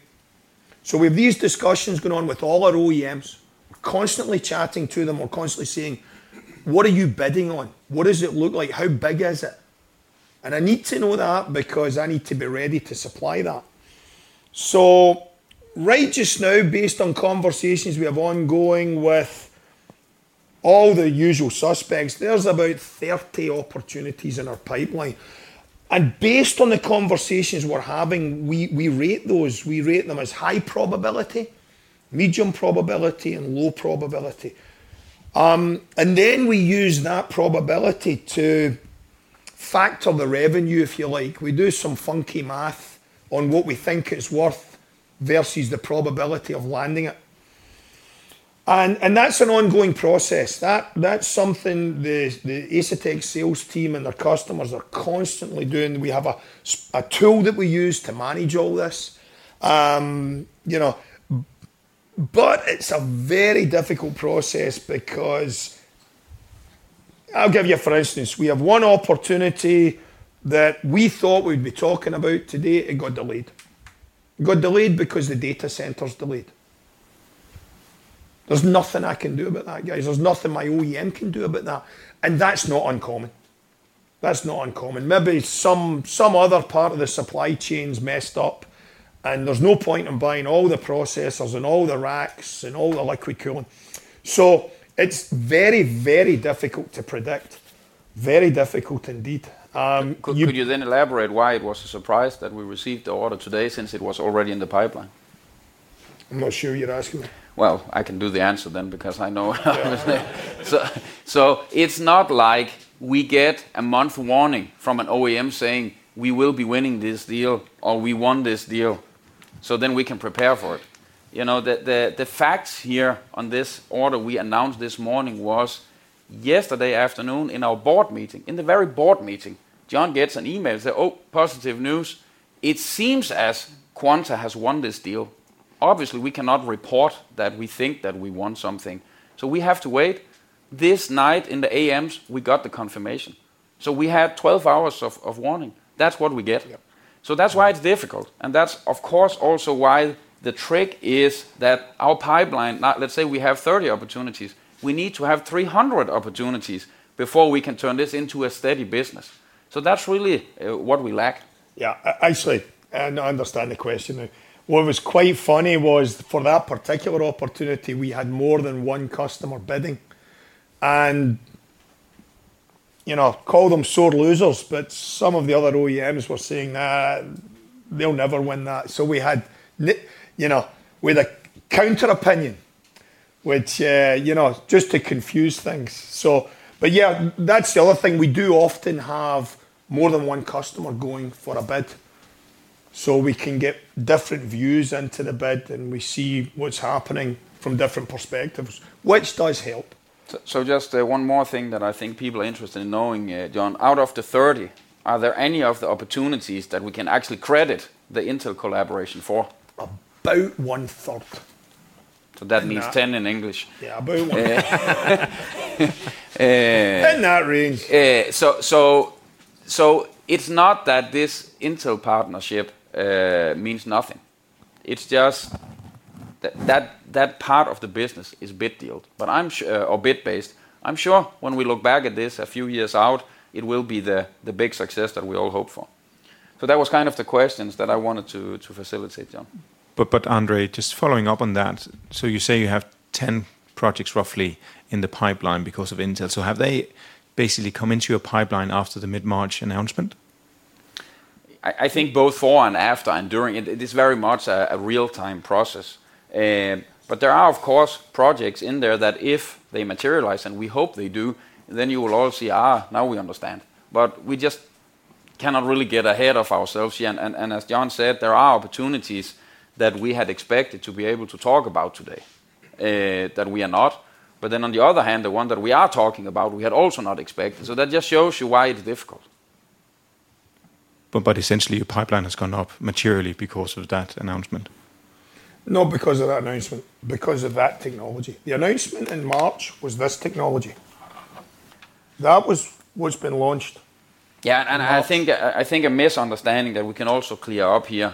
We have these discussions going on with all our OEMs, constantly chatting to them. We're constantly saying, "What are you bidding on? What does it look like? How big is it?" I need to know that because I need to be ready to supply that. Right just now, based on conversations we have ongoing with all the usual suspects, there's about 30 opportunities in our pipeline. Based on the conversations we're having, we rate them as high probability, medium probability, and low probability. We use that probability to factor the revenue, if you like. We do some funky math on what we think it's worth versus the probability of landing it. That's an ongoing process. That's something the Asetek sales team and their customers are constantly doing. We have a tool that we use to manage all this. It's a very difficult process because I'll give you a for instance. We have one opportunity that we thought we'd be talking about today. It got delayed. It got delayed because the data center's delayed. There's nothing I can do about that, guys. There's nothing my OEM can do about that, and that's not uncommon. Maybe some other part of the supply chain's messed up, there's no point in buying all the processors and all the racks and all the liquid cooling. It's very, very difficult to predict. Very difficult indeed. Could you then elaborate why it was a surprise that we received the order today since it was already in the pipeline? I'm not sure you'd ask me. Well, I can do the answer then because I know. Yeah. It's not like we get a month warning from an OEM saying, "We will be winning this deal," or, "We won this deal," then we can prepare for it. The facts here on this order we announced this morning was yesterday afternoon in our board meeting, in the very board meeting, John gets an email saying, "Oh, positive news. It seems as Quanta has won this deal." Obviously, we cannot report that we think that we won something, we have to wait. This night, in the A.M.s, we got the confirmation. We had 12 hours of warning. That's what we get. Yeah. That's why it's difficult, and that's of course also why the trick is that our pipeline, let's say we have 30 opportunities, we need to have 300 opportunities before we can turn this into a steady business. That's really what we lack. Yeah. I see. I understand the question. What was quite funny was for that particular opportunity, we had more than one customer bidding, and call them sore losers, but some of the other OEMs were saying, "Nah, they'll never win that." We had a counter-opinion, which just to confuse things. Yeah, that's the other thing. We do often have more than one customer going for a bid, so we can get different views into the bid, and we see what's happening from different perspectives, which does help. Just one more thing that I think people are interested in knowing, John. Out of the 30, are there any of the opportunities that we can actually credit the Intel collaboration for? About one third. That means 10 in English. About one third. In that range. It's not that this Intel partnership means nothing. It's just that that part of the business is bid-dealt, or bid-based. I'm sure when we look back at this a few years out, it will be the big success that we all hope for. That was kind of the questions that I wanted to facilitate, John. André, just following up on that. You say you have 10 projects roughly in the pipeline because of Intel. Have they basically come into your pipeline after the mid-March announcement? I think both before and after and during it. It is very much a real-time process. There are, of course, projects in there that if they materialize, and we hope they do, then you will all see, "Now we understand." We just cannot really get ahead of ourselves yet. As John said, there are opportunities that we had expected to be able to talk about today, that we are not. On the other hand, the one that we are talking about, we had also not expected. That just shows you why it's difficult. Essentially, your pipeline has gone up materially because of that announcement. Not because of that announcement, because of that technology. The announcement in March was this technology. That was what's been launched. I think a misunderstanding that we can also clear up here,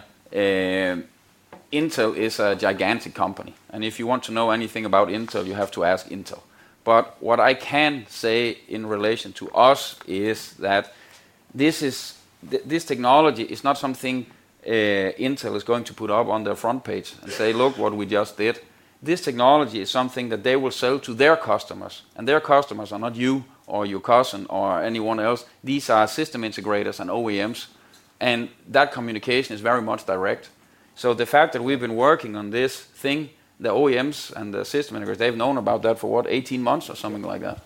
Intel is a gigantic company, and if you want to know anything about Intel, you have to ask Intel. What I can say in relation to us is that this technology is not something Intel is going to put up on their front page and say, "Look what we just did." This technology is something that they will sell to their customers, and their customers are not you or your cousin or anyone else. These are system integrators and OEMs. That communication is very much direct. The fact that we've been working on this thing, the OEMs and the system integrators, they've known about that for what, 18 months or something like that.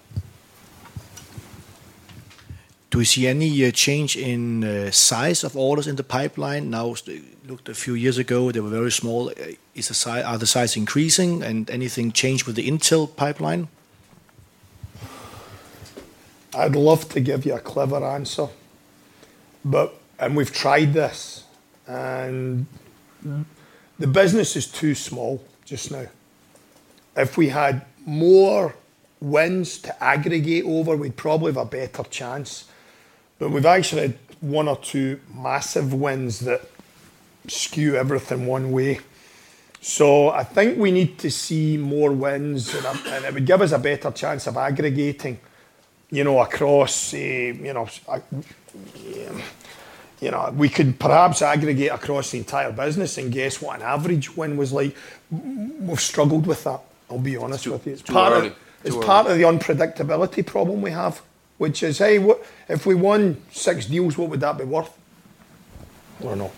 Do you see any change in size of orders in the pipeline now? Looked a few years ago, they were very small. Are the size increasing and anything changed with the Intel pipeline? I'd love to give you a clever answer, but. We've tried this. The business is too small just now. If we had more wins to aggregate over, we'd probably have a better chance. We've actually had one or two massive wins that skew everything one way. I think we need to see more wins and it would give us a better chance of aggregating. We could perhaps aggregate across the entire business and guess what an average win was like. We've struggled with that, I'll be honest with you. Too early. It's part of the unpredictability problem we have, which is, hey, what if we won six deals, what would that be worth? Or no.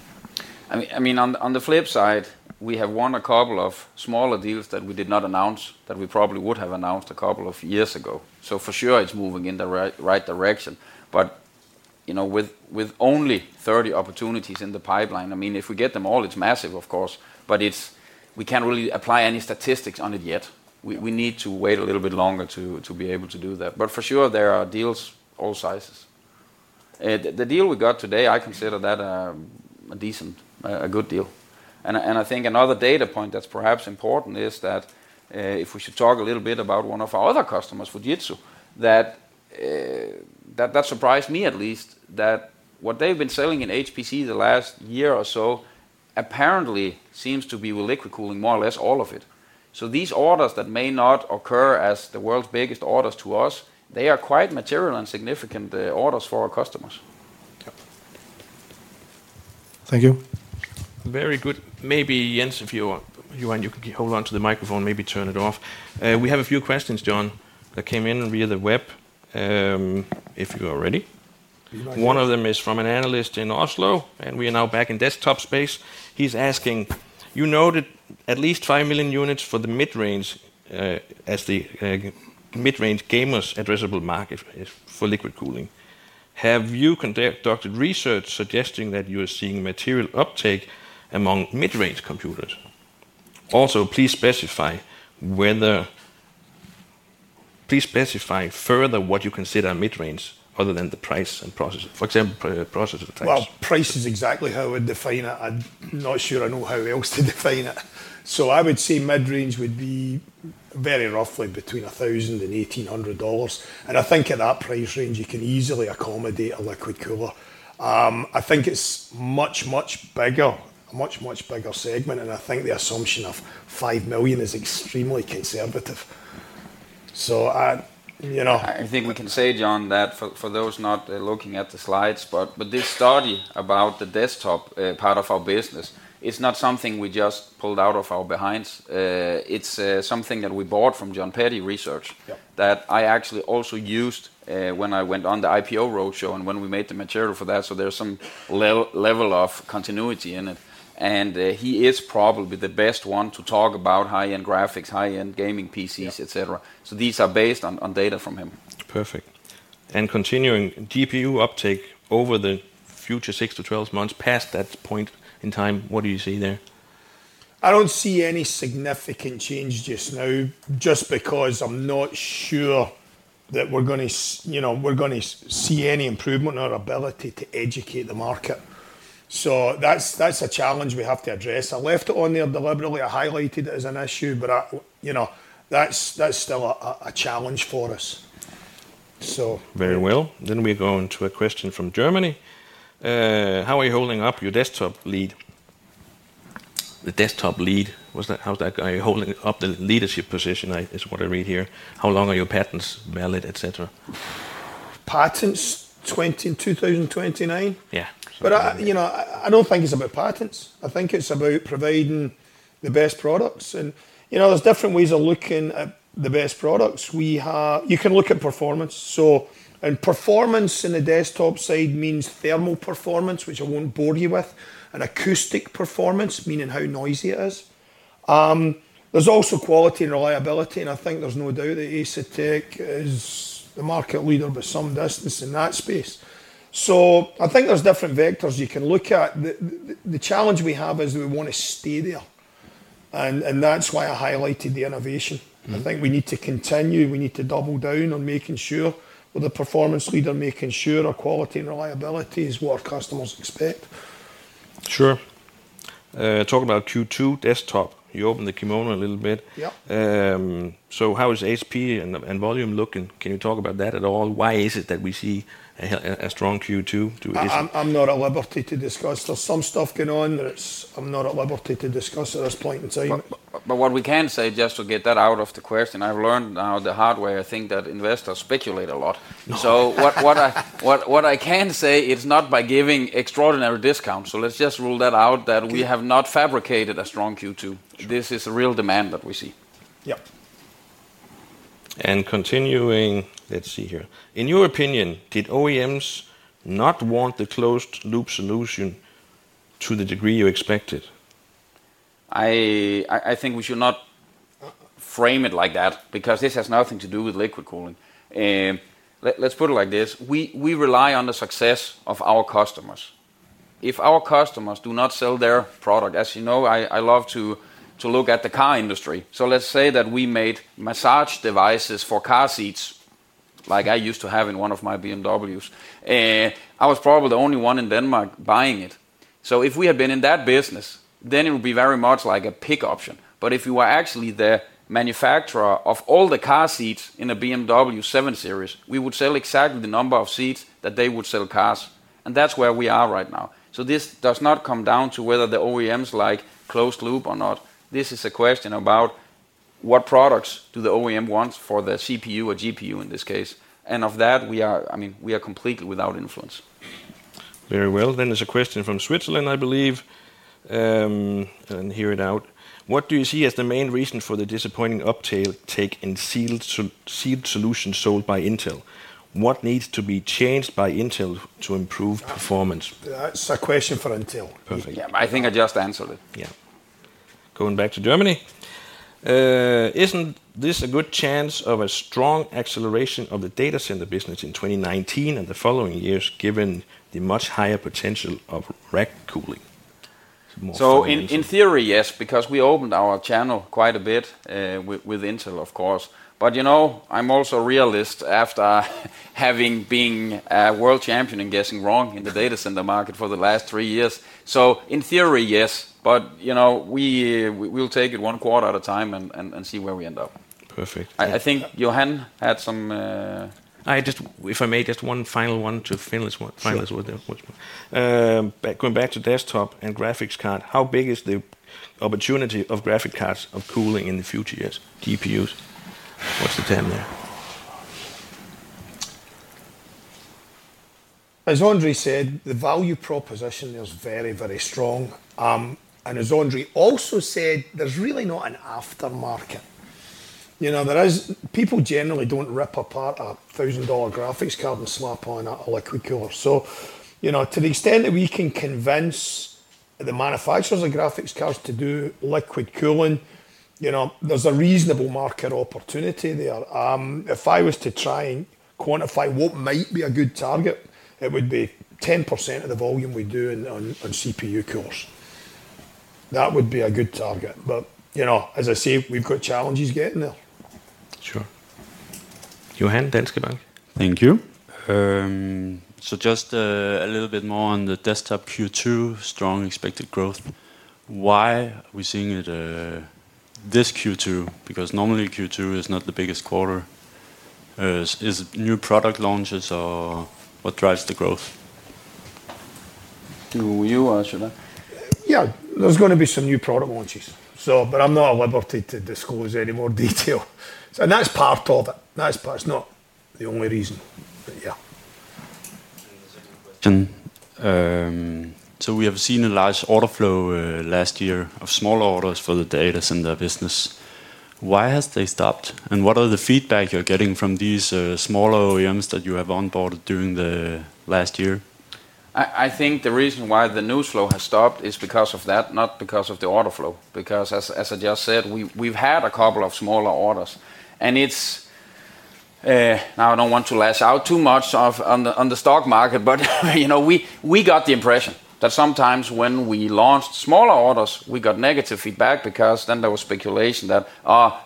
On the flip side, we have won a couple of smaller deals that we did not announce, that we probably would have announced a couple of years ago. For sure it's moving in the right direction. With only 30 opportunities in the pipeline, if we get them all, it's massive of course, but we can't really apply any statistics on it yet. We need to wait a little bit longer to be able to do that. For sure, there are deals all sizes. The deal we got today, I consider that a decent, a good deal. I think another data point that's perhaps important is that, if we should talk a little bit about one of our other customers, Fujitsu, that surprised me at least, that what they've been selling in HPC the last year or so, apparently seems to be with liquid cooling, more or less all of it. These orders that may not occur as the world's biggest orders to us, they are quite material and significant, the orders for our customers. Yeah. Thank you. Very good. Maybe Jens, if you want, you can hold onto the microphone, maybe turn it off. We have a few questions, John, that came in via the web, if you are ready. Be delighted. One of them is from an analyst in Oslo. We are now back in desktop space. He's asking, "You noted at least 5 million units for the mid-range as the mid-range gamers addressable market for liquid cooling. Have you conducted research suggesting that you are seeing material uptake among mid-range computers? Also, please specify further what you consider mid-range other than the price and processor. For example, processor types. Well, price is exactly how I would define it. I'm not sure I know how else to define it. I would say mid-range would be very roughly between $1,000-$1,800. I think at that price range, you can easily accommodate a liquid cooler. I think it's much bigger. A much bigger segment, and I think the assumption of 5 million is extremely conservative. I think we can say, John, that for those not looking at the slides, but this study about the desktop part of our business, it's not something we just pulled out of our behinds. It's something that we bought from Jon Peddie Research. Yeah. That I actually also used when I went on the IPO road show and when we made the material for that, so there's some level of continuity in it. He is probably the best one to talk about high-end graphics, high-end gaming PCs, et cetera. Yeah. These are based on data from him. Perfect. Continuing, GPU uptake over the future 6 to 12 months past that point in time, what do you see there? I don't see any significant change just now, just because I'm not sure that we're going to see any improvement in our ability to educate the market. That's a challenge we have to address. I left it on there deliberately. I highlighted it as an issue, but that's still a challenge for us. Very well. We go into a question from Germany. How are you holding up your desktop lead? The desktop lead. How's that going? Holding up the leadership position, is what I read here. How long are your patents valid, et cetera? Patents, 2029. Yeah. I don't think it's about patents. I think it's about providing the best products and there's different ways of looking at the best products. You can look at performance. Performance in the desktop side means thermal performance, which I won't bore you with, and acoustic performance, meaning how noisy it is. There's also quality and reliability, and I think there's no doubt that Asetek is the market leader with some distance in that space. I think there's different vectors you can look at. The challenge we have is we want to stay there, and that's why I highlighted the innovation. I think we need to continue, we need to double down on making sure we're the performance leader, making sure our quality and reliability is what our customers expect. Sure. Talk about Q2 desktop. You opened the kimono a little bit. Yeah. How is HP and volume looking? Can you talk about that at all? Why is it that we see a strong Q2 to HP? I'm not at liberty to discuss. There's some stuff going on that I'm not at liberty to discuss at this point in time. What we can say, just to get that out of the question, I've learned now the hard way, I think that investors speculate a lot. No. What I can say, it's not by giving extraordinary discounts, let's just rule that out, that we have not fabricated a strong Q2. Sure. This is the real demand that we see. Yeah. Let's see here. In your opinion, did OEMs not want the closed-loop solution to the degree you expected? I think we should not frame it like that because this has nothing to do with liquid cooling. Let's put it like this. We rely on the success of our customers. If our customers do not sell their product. As you know, I love to look at the car industry. Let's say that we made massage devices for car seats, like I used to have in one of my BMWs. I was probably the only one in Denmark buying it. If we had been in that business, then it would be very much like a pick option. If you were actually the manufacturer of all the car seats in a BMW 7 Series, we would sell exactly the number of seats that they would sell cars, and that's where we are right now. This does not come down to whether the OEMs like closed loop or not. This is a question about what products do the OEM wants for the CPU or GPU in this case. Of that, we are completely without influence. Very well. There's a question from Switzerland, I believe. Let me hear it out. What do you see as the main reason for the disappointing uptake in sealed solutions sold by Intel? What needs to be changed by Intel to improve performance? That's a question for Intel. Perfect. Yeah, I think I just answered it. Yeah. Going back to Germany. Isn't this a good chance of a strong acceleration of the data center business in 2019 and the following years, given the much higher potential of rack cooling? More for André. In theory, yes, because we opened our channel quite a bit with Intel, of course. I'm also a realist after having been a world champion in guessing wrong in the data center market for the last three years. In theory, yes, but we'll take it one quarter at a time and see where we end up. Perfect. I think Johan had. If I may, just one final one to finish. Sure Going back to desktop and graphics card, how big is the opportunity of graphic cards of cooling in the future years, GPUs? What's the term there? As André said, the value proposition is very, very strong. As André also said, there's really not an aftermarket. People generally don't rip apart a thousand-dollar graphics card and slap on a liquid cooler. To the extent that we can convince the manufacturers of graphics cards to do liquid cooling, there's a reasonable market opportunity there. If I was to try and quantify what might be a good target, it would be 10% of the volume we do on CPU coolers. That would be a good target. As I say, we've got challenges getting there. Sure. Johan Danske Bank. Thank you. Just a little bit more on the desktop Q2 strong expected growth. Why are we seeing it this Q2? Normally Q2 is not the biggest quarter. Is it new product launches or what drives the growth? To you or should I? Yeah, there's going to be some new product launches. I'm not at liberty to disclose any more detail. That's part of it. That's part. It's not the only reason, but yeah. We have seen a large order flow last year of smaller orders for the data center business. Why has they stopped? What are the feedback you're getting from these smaller OEMs that you have onboarded during the last year? I think the reason why the news flow has stopped is because of that, not because of the order flow. As I just said, we've had a couple of smaller orders. I don't want to lash out too much on the stock market, but we got the impression that sometimes when we launched smaller orders, we got negative feedback because then there was speculation that,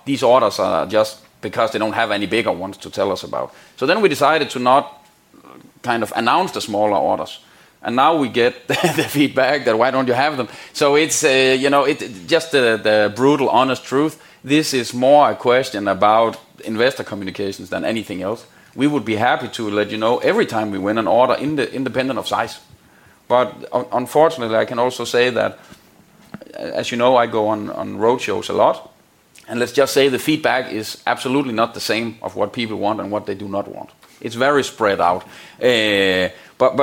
"These orders are just because they don't have any bigger ones to tell us about." We decided to not announce the smaller orders. We get the feedback that why don't you have them? Just the brutal, honest truth, this is more a question about investor communications than anything else. We would be happy to let you know every time we win an order independent of size. Unfortunately, I can also say that, as you know, I go on road shows a lot, let's just say the feedback is absolutely not the same of what people want and what they do not want. It's very spread out.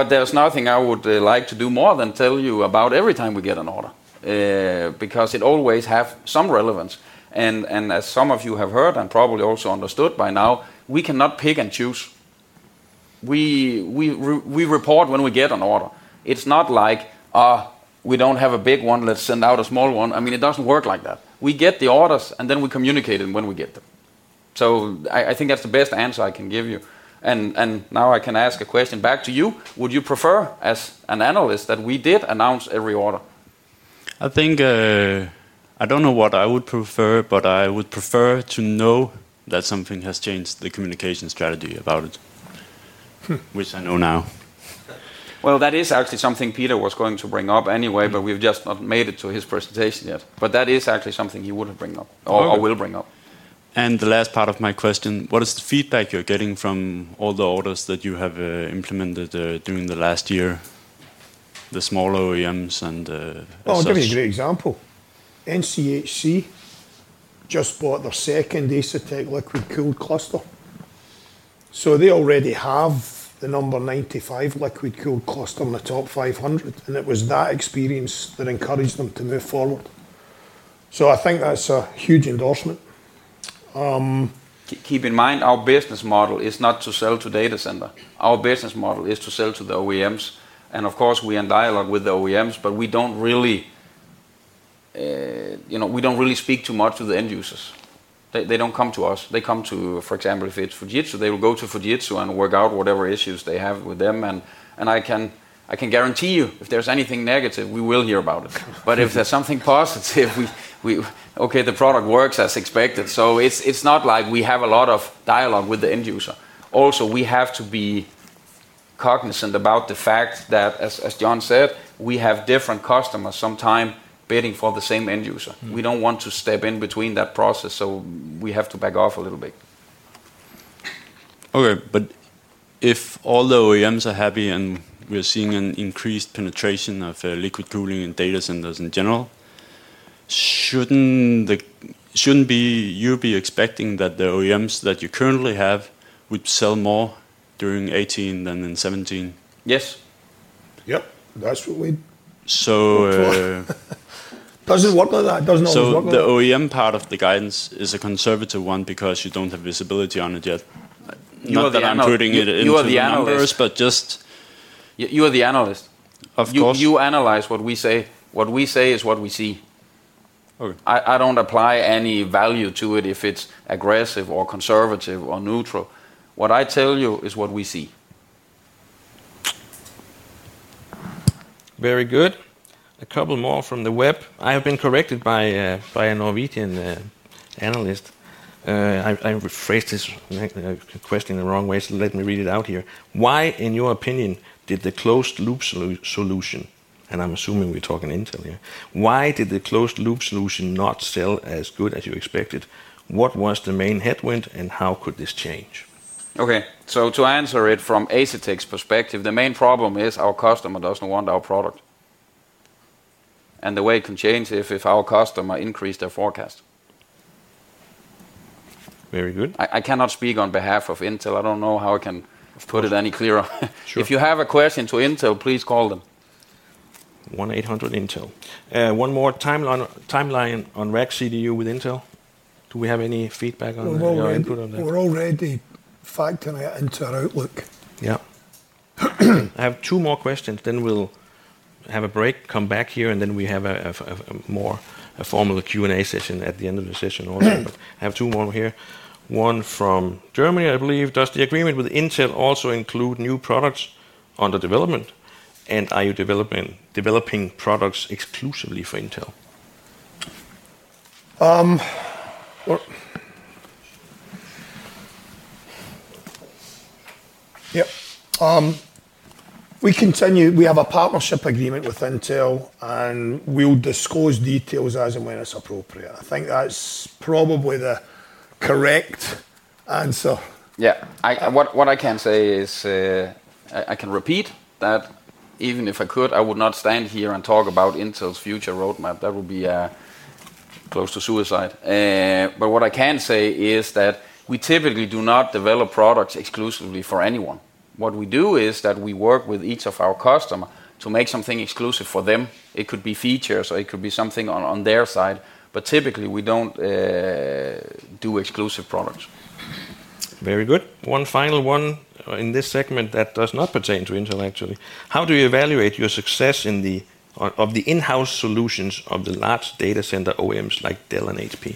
There's nothing I would like to do more than tell you about every time we get an order, because it always have some relevance. As some of you have heard and probably also understood by now, we cannot pick and choose. We report when we get an order. It's not like, "We don't have a big one. Let's send out a small one." It doesn't work like that. We get the orders, we communicate them when we get them. I think that's the best answer I can give you. I can ask a question back to you. Would you prefer, as an analyst, that we did announce every order? I don't know what I would prefer, but I would prefer to know that something has changed the communication strategy about it. Which I know now. Well, that is actually something Peter was going to bring up anyway, but we've just not made it to his presentation yet. That is actually something he would have bring up or will bring up. The last part of my question, what is the feedback you're getting from all the orders that you have implemented during the last year, the small OEMs and such? I'll give you a great example. NCHC just bought their second Asetek liquid-cooled cluster. They already have the number 95 liquid-cooled cluster on the TOP500, and it was that experience that encouraged them to move forward. I think that's a huge endorsement. Keep in mind, our business model is not to sell to data center. Our business model is to sell to the OEMs. Of course, we are in dialogue with the OEMs, but we don't really speak too much to the end users. They don't come to us. They come to, for example, if it's Fujitsu, they will go to Fujitsu and work out whatever issues they have with them. I can guarantee you, if there's anything negative, we will hear about it. If there's something positive, the product works as expected. It's not like we have a lot of dialogue with the end user. We have to be cognizant about the fact that, as John said, we have different customers sometimes bidding for the same end user. We don't want to step in between that process. We have to back off a little bit. If all the OEMs are happy and we're seeing an increased penetration of liquid cooling in data centers in general, shouldn't you be expecting that the OEMs that you currently have would sell more during 2018 than in 2017? Yes. Yep. That's what we hope for. Doesn't work like that. Doesn't always work like that. The OEM part of the guidance is a conservative one because you don't have visibility on it yet. Not that I'm putting it into the universe. You are the analyst. Of course. You analyze what we say. What we say is what we see. Okay. I don't apply any value to it if it's aggressive or conservative or neutral. What I tell you is what we see. Very good. A couple more from the web. I have been corrected by a Norwegian analyst. I rephrased this question the wrong way, so let me read it out here. Why, in your opinion, did the closed-loop solution, and I'm assuming we're talking Intel here, why did the closed-loop solution not sell as good as you expected? What was the main headwind, and how could this change? Okay, to answer it from Asetek's perspective, the main problem is our customer doesn't want our product. The way it can change is if our customer increase their forecast. Very good. I cannot speak on behalf of Intel. I don't know how I can put it any clearer. Sure. If you have a question to Intel, please call them. 1-800-INTEL. One more timeline on RackCDU with Intel. Do we have any feedback on that or input on that? We're already factoring it into our outlook. Yeah. I have two more questions, then we'll have a break, come back here, and then we have a more formal Q&A session at the end of the session also. I have two more here. One from Germany, I believe. Does the agreement with Intel also include new products under development, and are you developing products exclusively for Intel? Yep. We have a partnership agreement with Intel. We'll disclose details as and when it's appropriate. I think that's probably the correct answer. Yeah. What I can say is, I can repeat that even if I could, I would not stand here and talk about Intel's future roadmap. That would be close to suicide. What I can say is that we typically do not develop products exclusively for anyone. What we do is that we work with each of our customer to make something exclusive for them. It could be features, or it could be something on their side. Typically, we don't do exclusive products. Very good. One final one in this segment that does not pertain to Intel, actually. How do you evaluate your success of the in-house solutions of the large data center OEMs like Dell and HP?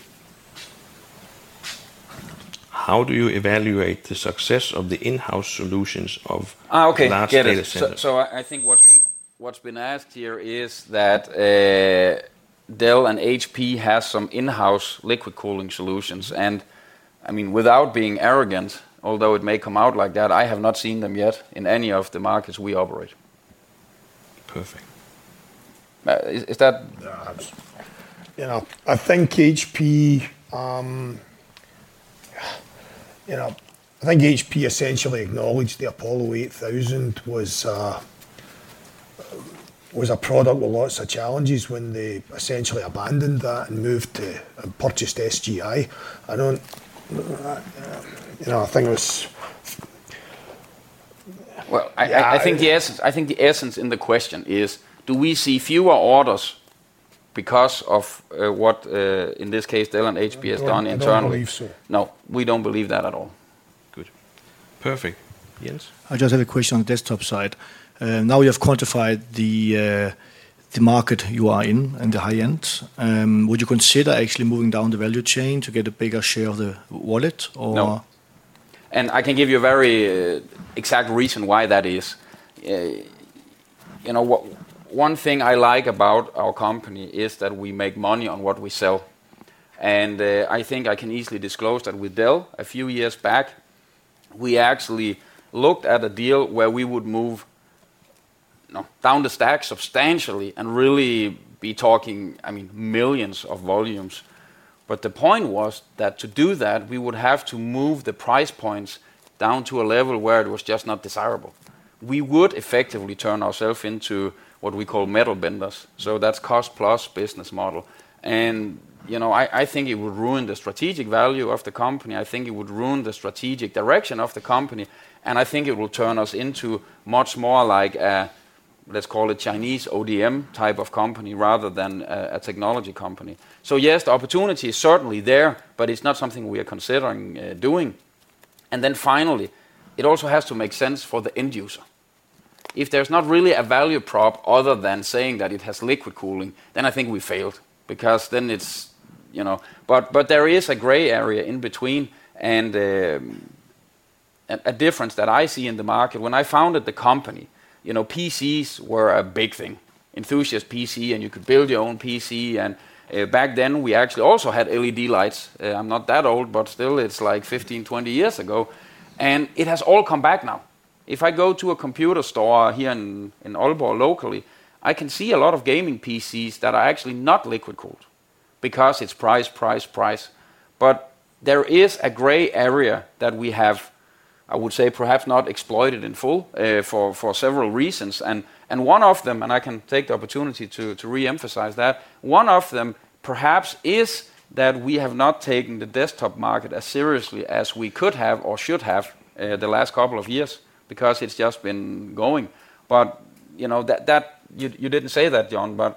How do you evaluate the success of the in-house solutions of large data centers? Okay, get it. I think what's been asked here is that Dell and HP have some in-house liquid cooling solutions, and without being arrogant, although it may come out like that, I have not seen them yet in any of the markets we operate. Perfect. Is that- Yeah. I think HP essentially acknowledged the Apollo 8000 was a product with lots of challenges when they essentially abandoned that and moved to purchase SGI. I think it was Well, I think the essence in the question is, do we see fewer orders because of what, in this case, Dell and HP has done internally? I don't believe so. No. We don't believe that at all. Good. Perfect. Yes? I just have a question on the desktop side. Now you have quantified the market you are in the high end. Would you consider actually moving down the value chain to get a bigger share of the wallet or? No. I can give you a very exact reason why that is. One thing I like about our company is that we make money on what we sell, and I think I can easily disclose that with Dell, a few years back, we actually looked at a deal where we would move down the stack substantially and really be talking millions of volumes. The point was that to do that, we would have to move the price points down to a level where it was just not desirable. We would effectively turn ourselves into what we call metal benders. That's cost-plus business model. I think it would ruin the strategic value of the company. I think it would ruin the strategic direction of the company. I think it will turn us into much more like a, let's call it Chinese ODM type of company rather than a technology company. Yes, the opportunity is certainly there, but it's not something we are considering doing. Finally, it also has to make sense for the end user. If there's not really a value prop other than saying that it has liquid cooling, I think we failed. There is a gray area in between, and a difference that I see in the market. When I founded the company, PCs were a big thing. Enthusiast PC, you could build your own PC, and back then we actually also had LED lights. I'm not that old, but still it's 15, 20 years ago, and it has all come back now. If I go to a computer store here in Aalborg locally, I can see a lot of gaming PCs that are actually not liquid cooled because it's price. There is a gray area that we have, I would say, perhaps not exploited in full for several reasons. One of them, I can take the opportunity to re-emphasize that, one of them perhaps is that we have not taken the desktop market as seriously as we could have or should have the last couple of years because it's just been going. You didn't say that, John,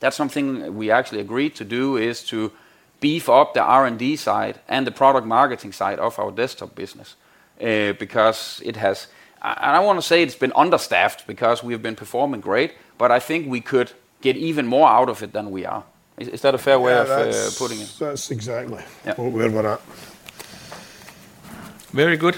that's something we actually agreed to do, is to beef up the R&D side and the product marketing side of our desktop business. It has, and I don't want to say it's been understaffed because we have been performing great, but I think we could get even more out of it than we are. Is that a fair way of putting it? That's exactly Yeah where we're at. Very good.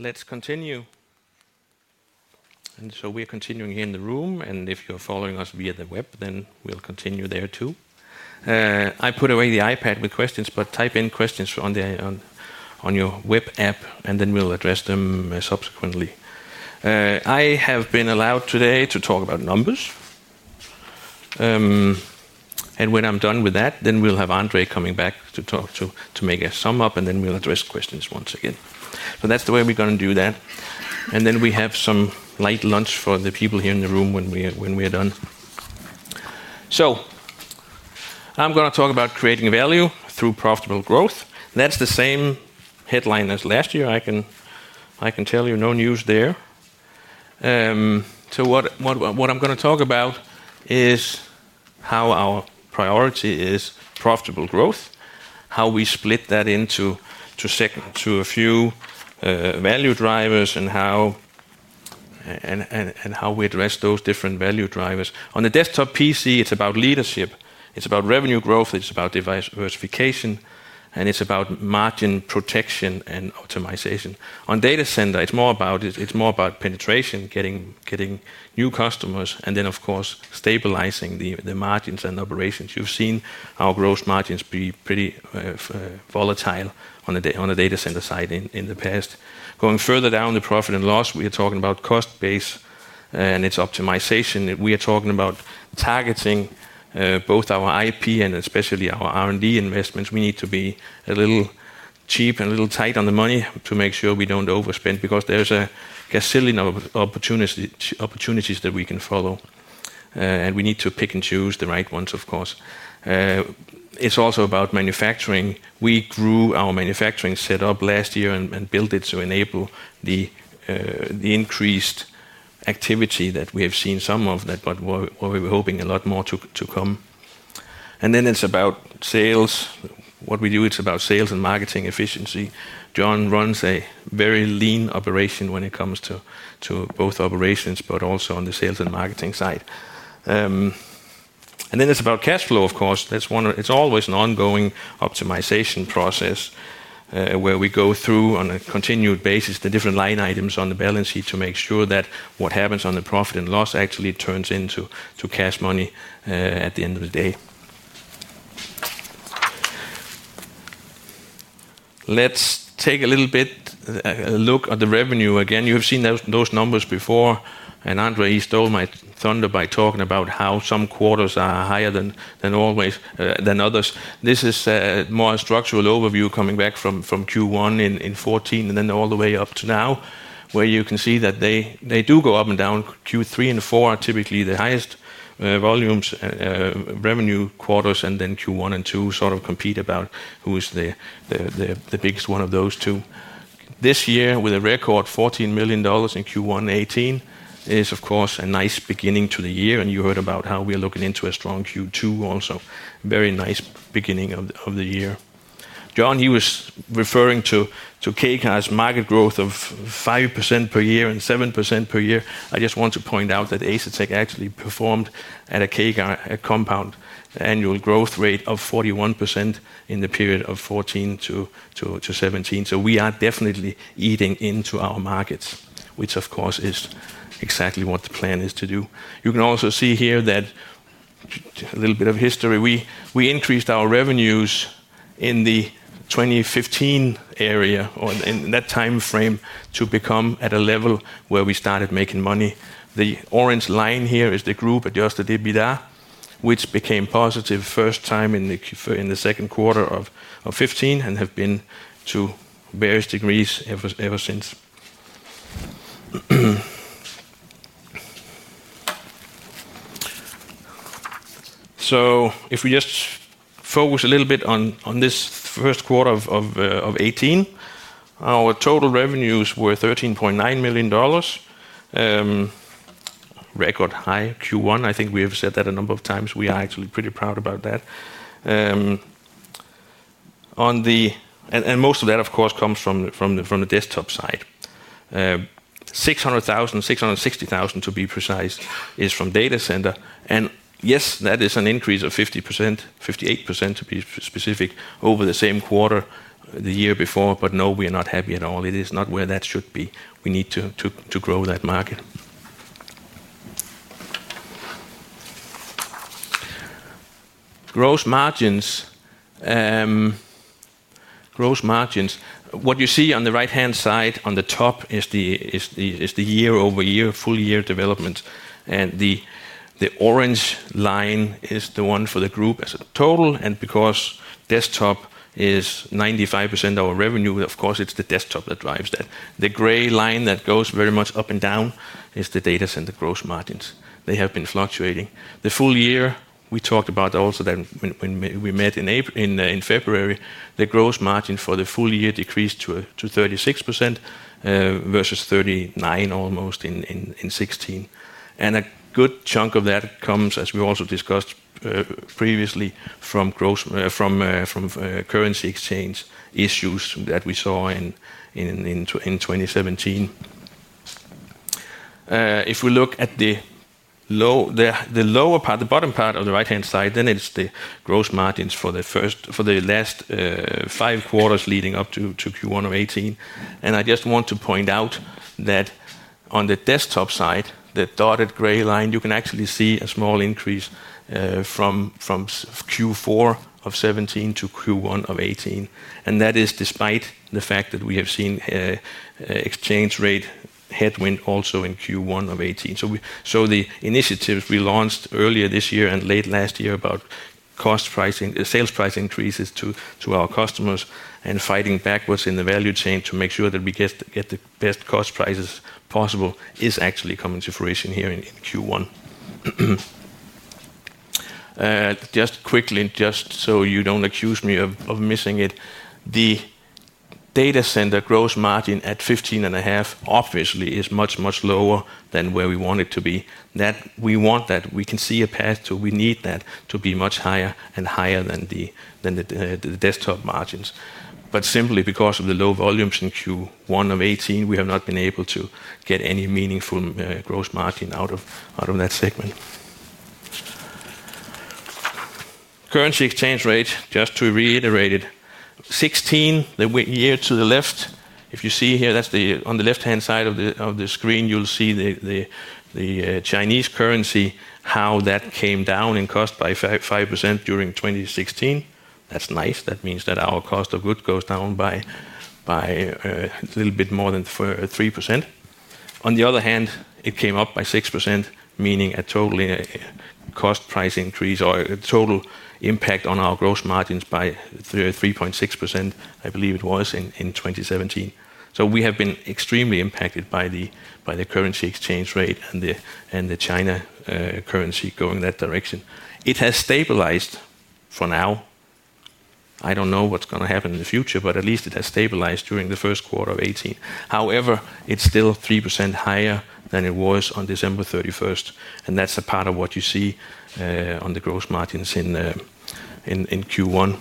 Let's continue. We're continuing here in the room, and if you're following us via the web, we'll continue there, too. I put away the iPad with questions. Type in questions on your web app, we'll address them subsequently. I have been allowed today to talk about numbers. When I'm done with that, we'll have André coming back to talk to make a sum-up, we'll address questions once again. That's the way we're going to do that. We have some light lunch for the people here in the room when we are done. I'm going to talk about creating value through profitable growth. That's the same headline as last year. I can tell you, no news there. What I'm going to talk about is how our priority is profitable growth, how we split that into a few value drivers, and how we address those different value drivers. On the desktop PC, it's about leadership, it's about revenue growth, it's about diversification. It's about margin protection and optimization. On data center, it's more about penetration, getting new customers, of course, stabilizing the margins and operations. You've seen our gross margins be pretty volatile on the data center side in the past. Going further down the profit and loss, we are talking about cost base and its optimization. We are talking about targeting both our IP and especially our R&D investments. We need to be a little cheap and a little tight on the money to make sure we don't overspend, because there's a gazillion opportunities that we can follow. We need to pick and choose the right ones, of course. It's also about manufacturing. We grew our manufacturing set up last year and built it to enable the increased activity that we have seen, some of that, but where we were hoping a lot more to come. It's about sales. What we do, it's about sales and marketing efficiency. John runs a very lean operation when it comes to both operations, but also on the sales and marketing side. It's about cash flow, of course. It's always an ongoing optimization process, where we go through, on a continued basis, the different line items on the balance sheet to make sure that what happens on the profit and loss actually turns into cash money at the end of the day. Let's take a little bit look at the revenue. Again, you have seen those numbers before, and André, he stole my thunder by talking about how some quarters are higher than others. This is more a structural overview coming back from Q1 in 2014, and then all the way up to now, where you can see that they do go up and down. Q3 and 4 are typically the highest volumes revenue quarters, and then Q1 and 2 sort of compete about who is the biggest one of those two. This year, with a record $14 million in Q1 2018, is of course a nice beginning to the year. You heard about how we're looking into a strong Q2 also. Very nice beginning of the year. John, he was referring to CAGRs market growth of 5% per year and 7% per year. I just want to point out that Asetek actually performed at a CAGR, a compound annual growth rate, of 41% in the period of 2014 to 2017. We are definitely eating into our markets, which of course is exactly what the plan is to do. You can also see here that, a little bit of history, we increased our revenues in the 2015 area, or in that time frame, to become at a level where we started making money. The orange line here is the group adjusted EBITDA, which became positive first time in the second quarter of 2015, and have been to various degrees ever since. If we just focus a little bit on this first quarter of 2018. Our total revenues were $13.9 million. Record high Q1, I think we have said that a number of times. We are actually pretty proud about that. Most of that, of course, comes from the desktop side. 600,000, 660,000 to be precise, is from data center. Yes, that is an increase of 50%, 58% to be specific, over the same quarter the year before. No, we are not happy at all. It is not where that should be. We need to grow that market. Gross margins. What you see on the right-hand side on the top is the year-over-year full year development. The orange line is the one for the group as a total. Because desktop is 95% of our revenue, of course it's the desktop that drives that. The gray line that goes very much up and down is the data center gross margins. They have been fluctuating. The full year, we talked about also that when we met in February, the gross margin for the full year decreased to 36%, versus 39% almost in 2016. A good chunk of that comes, as we also discussed previously, from currency exchange issues that we saw in 2017. If we look at the lower part, the bottom part of the right-hand side, then it's the gross margins for the last five quarters leading up to Q1 of 2018. I just want to point out that on the desktop side, the dotted gray line, you can actually see a small increase from Q4 of 2017 to Q1 of 2018. That is despite the fact that we have seen exchange rate headwind also in Q1 of 2018. The initiatives we launched earlier this year and late last year about sales price increases to our customers and fighting backwards in the value chain to make sure that we get the best cost prices possible is actually coming to fruition here in Q1. Just quickly, just so you don't accuse me of missing it, the data center gross margin at 15.5%, obviously, is much, much lower than where we want it to be. We want that. We can see a path to, we need that to be much higher and higher than the desktop margins. Simply because of the low volumes in Q1 of 2018, we have not been able to get any meaningful gross margin out of that segment. Currency exchange rate, just to reiterate it, 2016, the year to the left, if you see here, on the left-hand side of the screen, you'll see the CNY, how that came down in cost by 5% during 2016. That's nice. That means that our cost of goods goes down by a little bit more than 3%. On the other hand, it came up by 6%, meaning a total cost price increase or a total impact on our gross margins by 3.6%, I believe it was in 2017. We have been extremely impacted by the currency exchange rate and the CNY going that direction. It has stabilized for now. I don't know what's going to happen in the future, but at least it has stabilized during the first quarter of 2018. However, it's still 3% higher than it was on December 31st, and that's a part of what you see on the gross margins in Q1.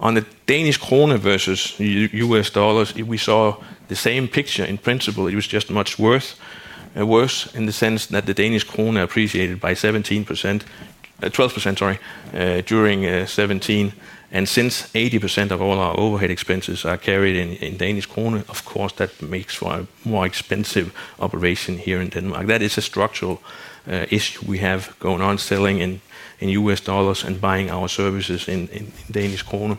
On the DKK versus USD, we saw the same picture in principle. It was just much worse, in the sense that the DKK appreciated by 12% during 2017. Since 80% of all our overhead expenses are carried in DKK, of course, that makes for a more expensive operation here in Denmark. That is a structural issue we have going on, selling in USD and buying our services in DKK.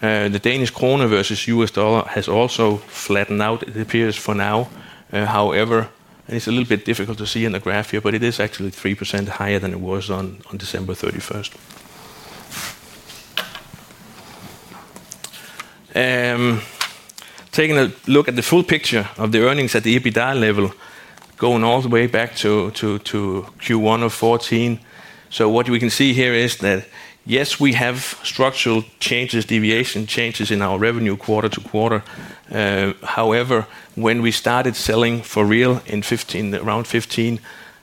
The DKK versus USD has also flattened out, it appears, for now. However, it's a little bit difficult to see in the graph here, but it is actually 3% higher than it was on December 31st. Taking a look at the full picture of the earnings at the EBITDA level, going all the way back to Q1 of 2014. What we can see here is that, yes, we have structural changes, deviation changes in our revenue quarter to quarter. However, when we started selling for real around 2015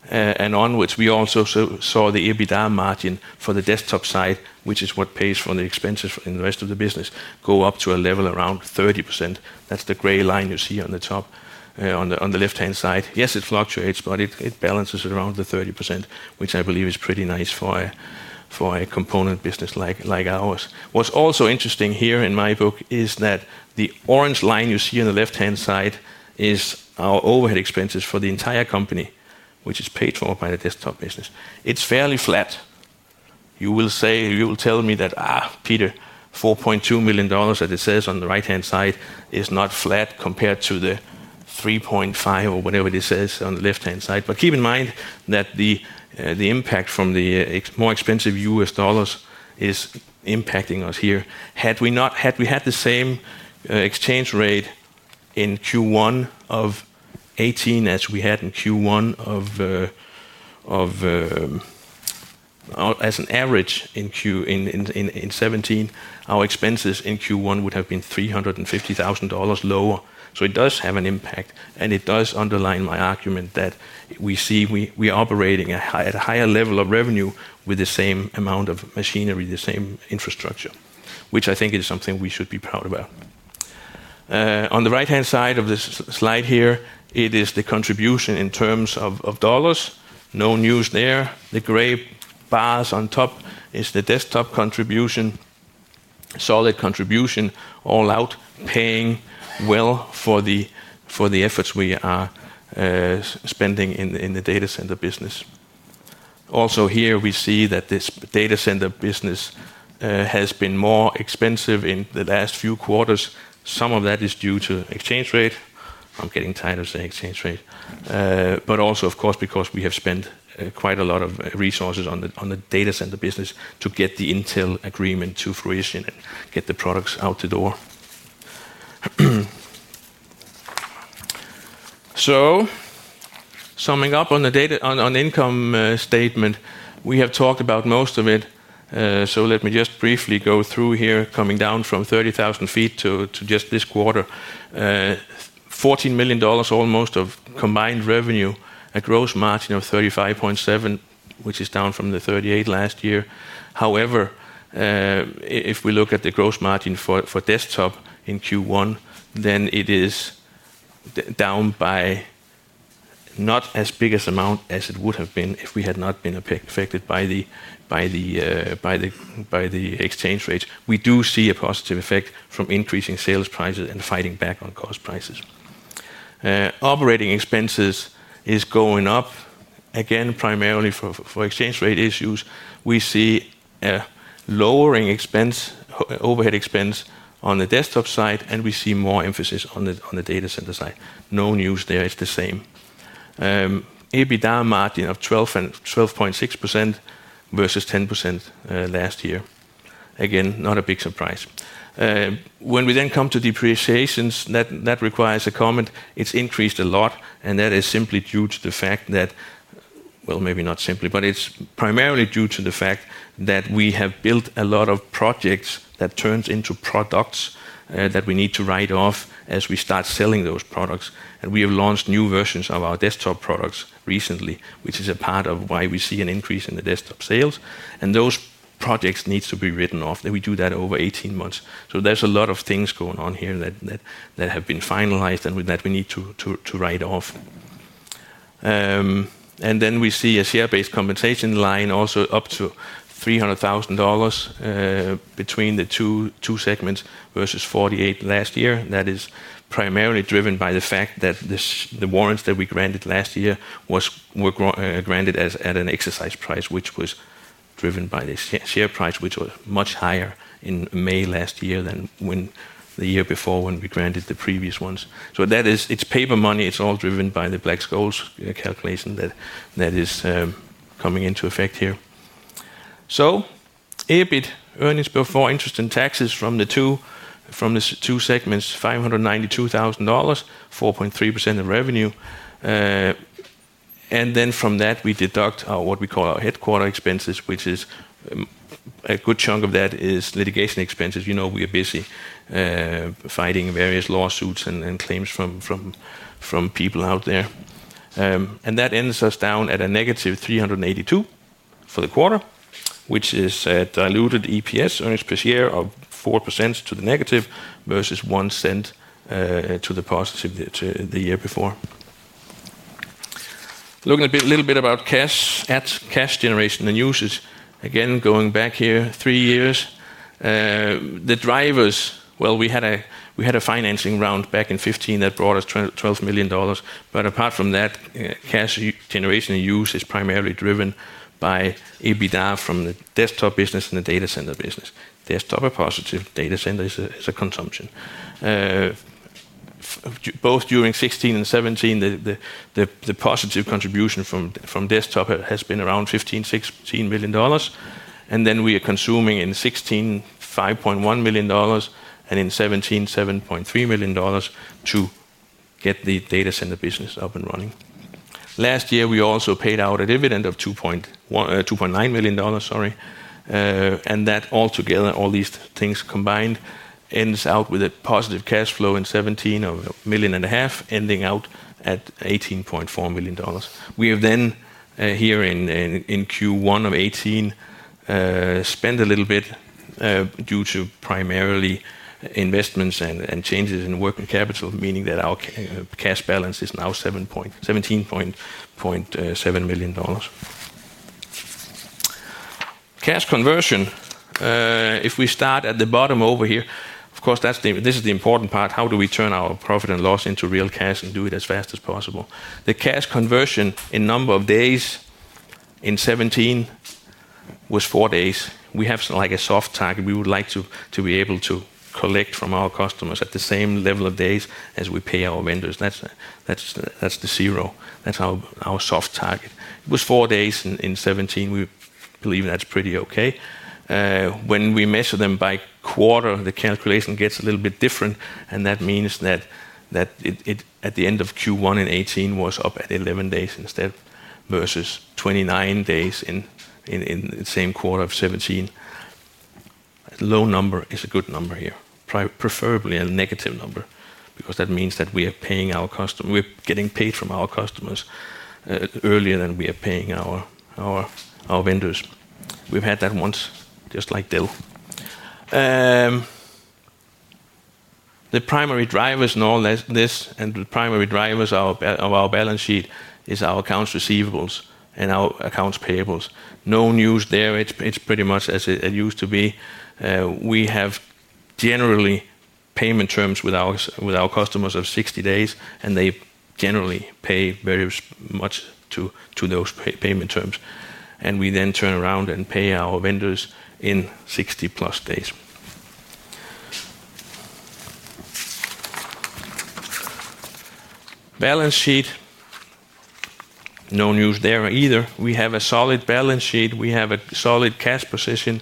and onwards, we also saw the EBITDA margin for the desktop side, which is what pays for the expenses in the rest of the business, go up to a level around 30%. That's the gray line you see on the top on the left-hand side. Yes, it fluctuates, but it balances at around the 30%, which I believe is pretty nice for a component business like ours. What's also interesting here in my book is that the orange line you see on the left-hand side is our overhead expenses for the entire company, which is paid for by the desktop business. It's fairly flat. You will tell me that, "Peter, $4.2 million," as it says on the right-hand side, "is not flat compared to the $3.5 million or whatever this is on the left-hand side." Keep in mind that the impact from the more expensive USD is impacting us here. Had we had the same exchange rate in Q1 of 2018 as an average in 2017, our expenses in Q1 would have been $350,000 lower. It does have an impact, and it does underline my argument that we are operating at a higher level of revenue with the same amount of machinery, the same infrastructure, which I think is something we should be proud about. On the right-hand side of this slide here, it is the contribution in terms of $. No news there. The gray bars on top is the desktop contribution, solid contribution, all out, paying well for the efforts we are spending in the data center business. Here, we see that this data center business has been more expensive in the last few quarters. Some of that is due to exchange rate. I'm getting tired of saying exchange rate. Also, of course, because we have spent quite a lot of resources on the data center business to get the Intel agreement to fruition and get the products out the door. Summing up on income statement, we have talked about most of it, so let me just briefly go through here, coming down from 30,000 feet to just this quarter. $14 million, almost, of combined revenue. A gross margin of 35.7%, which is down from the 38% last year. However, if we look at the gross margin for desktop in Q1, then it is down by not as big as amount as it would have been if we had not been affected by the exchange rates. We do see a positive effect from increasing sales prices and fighting back on cost prices. Operating expenses is going up, again, primarily for exchange rate issues. We see a lowering overhead expense on the desktop side, and we see more emphasis on the data center side. No news there. It's the same. EBITDA margin of 12.6% versus 10% last year. Again, not a big surprise. We then come to depreciations, that requires a comment. It's increased a lot, and that is simply due to the fact that Maybe not simply, but it's primarily due to the fact that we have built a lot of projects that turns into products that we need to write off as we start selling those products. And we have launched new versions of our desktop products recently, which is a part of why we see an increase in the desktop sales. And those Projects needs to be written off, and we do that over 18 months. There's a lot of things going on here that have been finalized and that we need to write off. And then we see a share-based compensation line also up to $300,000 between the two segments versus 48 last year. That is primarily driven by the fact that the warrants that we granted last year were granted at an exercise price, which was driven by the share price, which was much higher in May last year than the year before when we granted the previous ones. That is, it's paper money. It's all driven by the Black-Scholes calculation that is coming into effect here. EBIT, earnings before interest and taxes from the two segments, $592,000, 4.3% of revenue. And then from that, we deduct our, what we call our headquarter expenses, which is a good chunk of that is litigation expenses. We are busy fighting various lawsuits and claims from people out there. That ends us down at a negative 382 for the quarter, which is a diluted EPS, earnings per share, of 4% to the negative versus $0.01 to the positive to the year before. Looking a little bit about cash, at cash generation and usage. Again, going back here three years. The drivers, well, we had a financing round back in 2015 that brought us $12 million. Apart from that, cash generation and use is primarily driven by EBITDA from the desktop business and the data center business. Desktop a positive, data center is a consumption. Both during 2016 and 2017, the positive contribution from desktop has been around $15 million, $16 million. Then we are consuming in 2016, $5.1 million, and in 2017, $7.3 million to get the data center business up and running. Last year, we also paid out a dividend of $2.9 million. That altogether, all these things combined, ends out with a positive cash flow in 2017 of a million and a half, ending out at $18.4 million. We have then, here in Q1 of 2018, spent a little bit due to primarily investments and changes in working capital, meaning that our cash balance is now $17.7 million. Cash conversion, if we start at the bottom over here, of course, this is the important part. How do we turn our profit and loss into real cash and do it as fast as possible? The cash conversion in number of days in 2017 was four days. We have a soft target. We would like to be able to collect from our customers at the same level of days as we pay our vendors. That's the zero. That's our soft target. It was four days in 2017. We believe that's pretty okay. When we measure them by quarter, the calculation gets a little bit different, that means that at the end of Q1 in 2018 was up at 11 days instead, versus 29 days in the same quarter of 2017. A low number is a good number here. Preferably a negative number, because that means that we are getting paid from our customers earlier than we are paying our vendors. We've had that once, just like Dell. The primary drivers in all this, the primary drivers of our balance sheet is our accounts receivables and our accounts payables. No news there. It's pretty much as it used to be. We have generally payment terms with our customers of 60 days, they generally pay very much to those payment terms. We then turn around and pay our vendors in 60-plus days. Balance sheet, no news there either. We have a solid balance sheet. We have a solid cash position.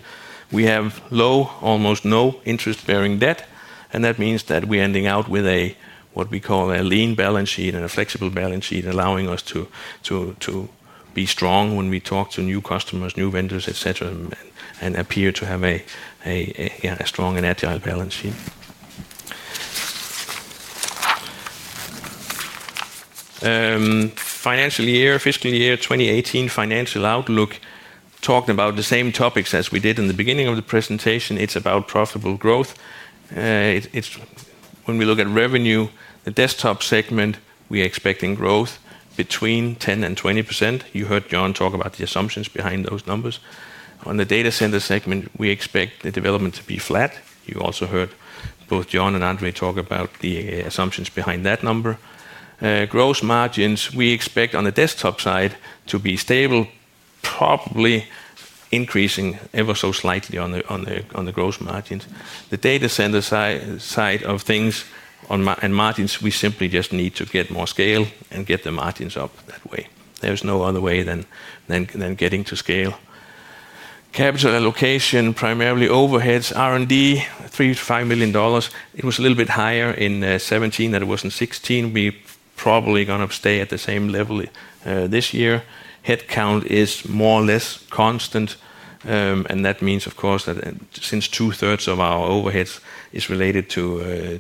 We have low, almost no interest-bearing debt, that means that we're ending out with a, what we call a lean balance sheet and a flexible balance sheet, allowing us to be strong when we talk to new customers, new vendors, et cetera, appear to have a strong and agile balance sheet. Financial year, fiscal year 2018 financial outlook, talking about the same topics as we did in the beginning of the presentation. It's about profitable growth. When we look at revenue, the desktop segment, we're expecting growth between 10% and 20%. You heard John talk about the assumptions behind those numbers. On the data center segment, we expect the development to be flat. You also heard both John and André talk about the assumptions behind that number. Gross margins, we expect on the desktop side to be stable, probably increasing ever so slightly on the gross margins. The data center side of things, on margins, we simply just need to get more scale and get the margins up that way. There's no other way than getting to scale. Capital allocation, primarily overheads, R&D, 3 million to DKK 5 million. It was a little bit higher in 2017 than it was in 2016. We probably going to stay at the same level this year. Headcount is more or less constant, and that means, of course, that since two-thirds of our overheads is related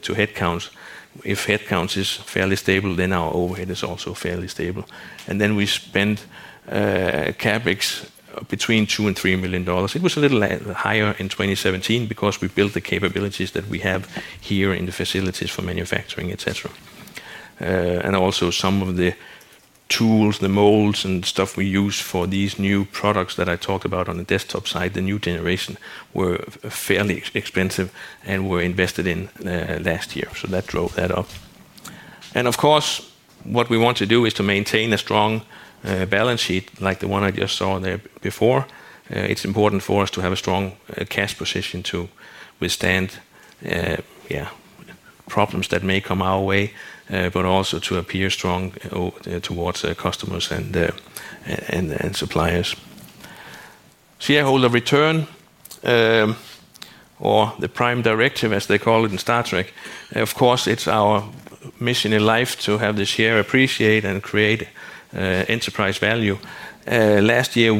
to headcounts, if headcounts is fairly stable, then our overhead is also fairly stable. Then we spent CapEx between 2 million and DKK 3 million. It was a little higher in 2017 because we built the capabilities that we have here in the facilities for manufacturing, et cetera. Also some of the Tools, the molds, and stuff we use for these new products that I talked about on the desktop side, the new generation, were fairly expensive and were invested in last year. That drove that up. Of course, what we want to do is to maintain a strong balance sheet like the one I just showed there before. It's important for us to have a strong cash position to withstand problems that may come our way, but also to appear strong towards our customers and suppliers. Shareholder return, or the Prime Directive, as they call it in "Star Trek," of course, it's our mission in life to have the share appreciate and create enterprise value. Last year,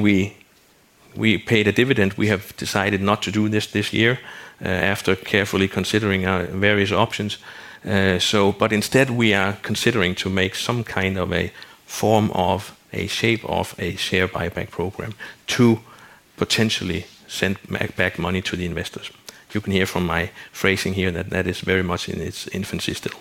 we paid a dividend. We have decided not to do this this year after carefully considering our various options. Instead, we are considering to make some kind of a form of a shape of a share buyback program to potentially send back money to the investors. You can hear from my phrasing here that that is very much in its infancy still.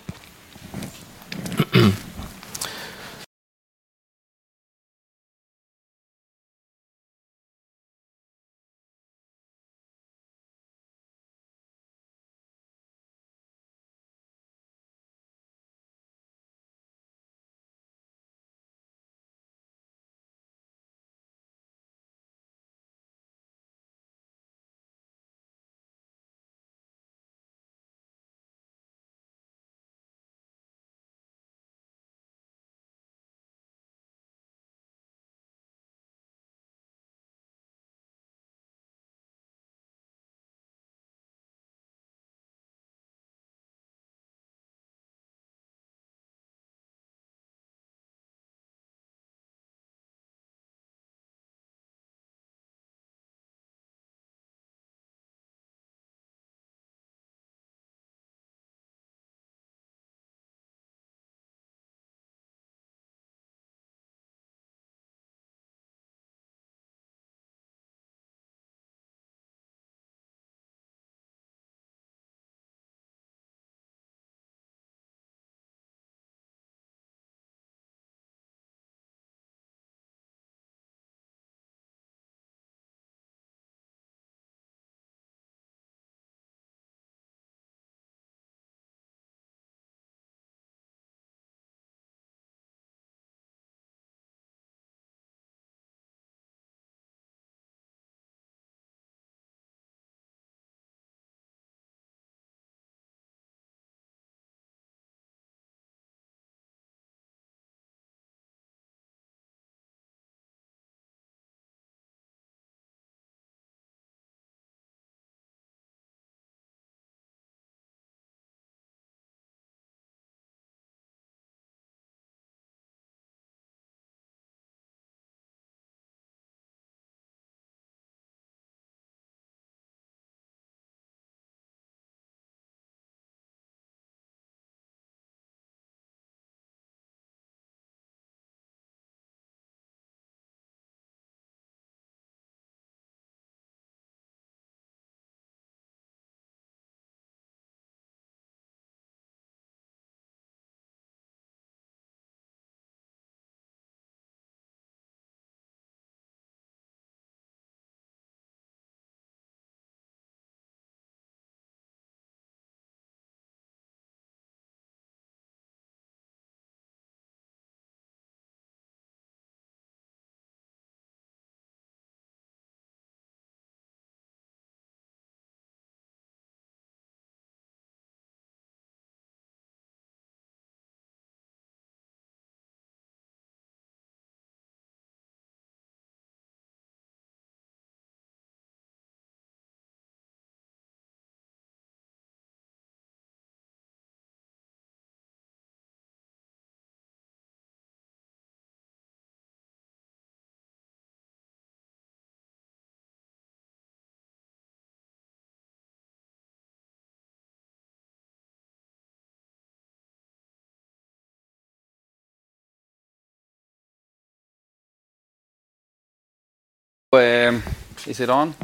Is it on?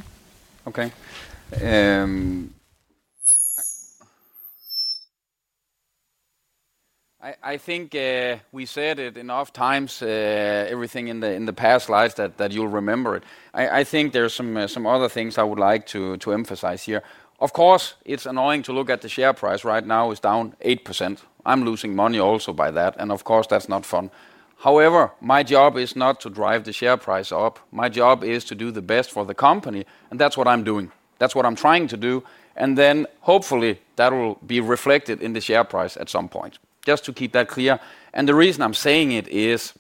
Okay. I think we said it enough times, everything in the past slides that you'll remember it. I think there's some other things I would like to emphasize here. Of course, it's annoying to look at the share price right now is down 8%. I'm losing money also by that, of course that's not fun. However, my job is not to drive the share price up. My job is to do the best for the company, that's what I'm doing. That's what I'm trying to do, then hopefully, that will be reflected in the share price at some point. Just to keep that clear. The reason I'm saying it is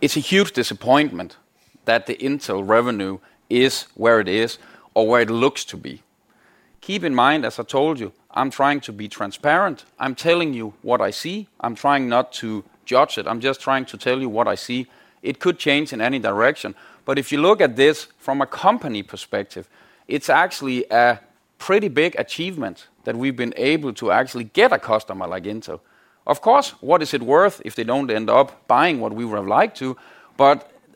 it's a huge disappointment that the Intel revenue is where it is or where it looks to be. Keep in mind, as I told you, I'm trying to be transparent. I'm telling you what I see. I'm trying not to judge it. I'm just trying to tell you what I see. It could change in any direction. If you look at this from a company perspective, it's actually a pretty big achievement that we've been able to actually get a customer like Intel. Of course, what is it worth if they don't end up buying what we would have liked to?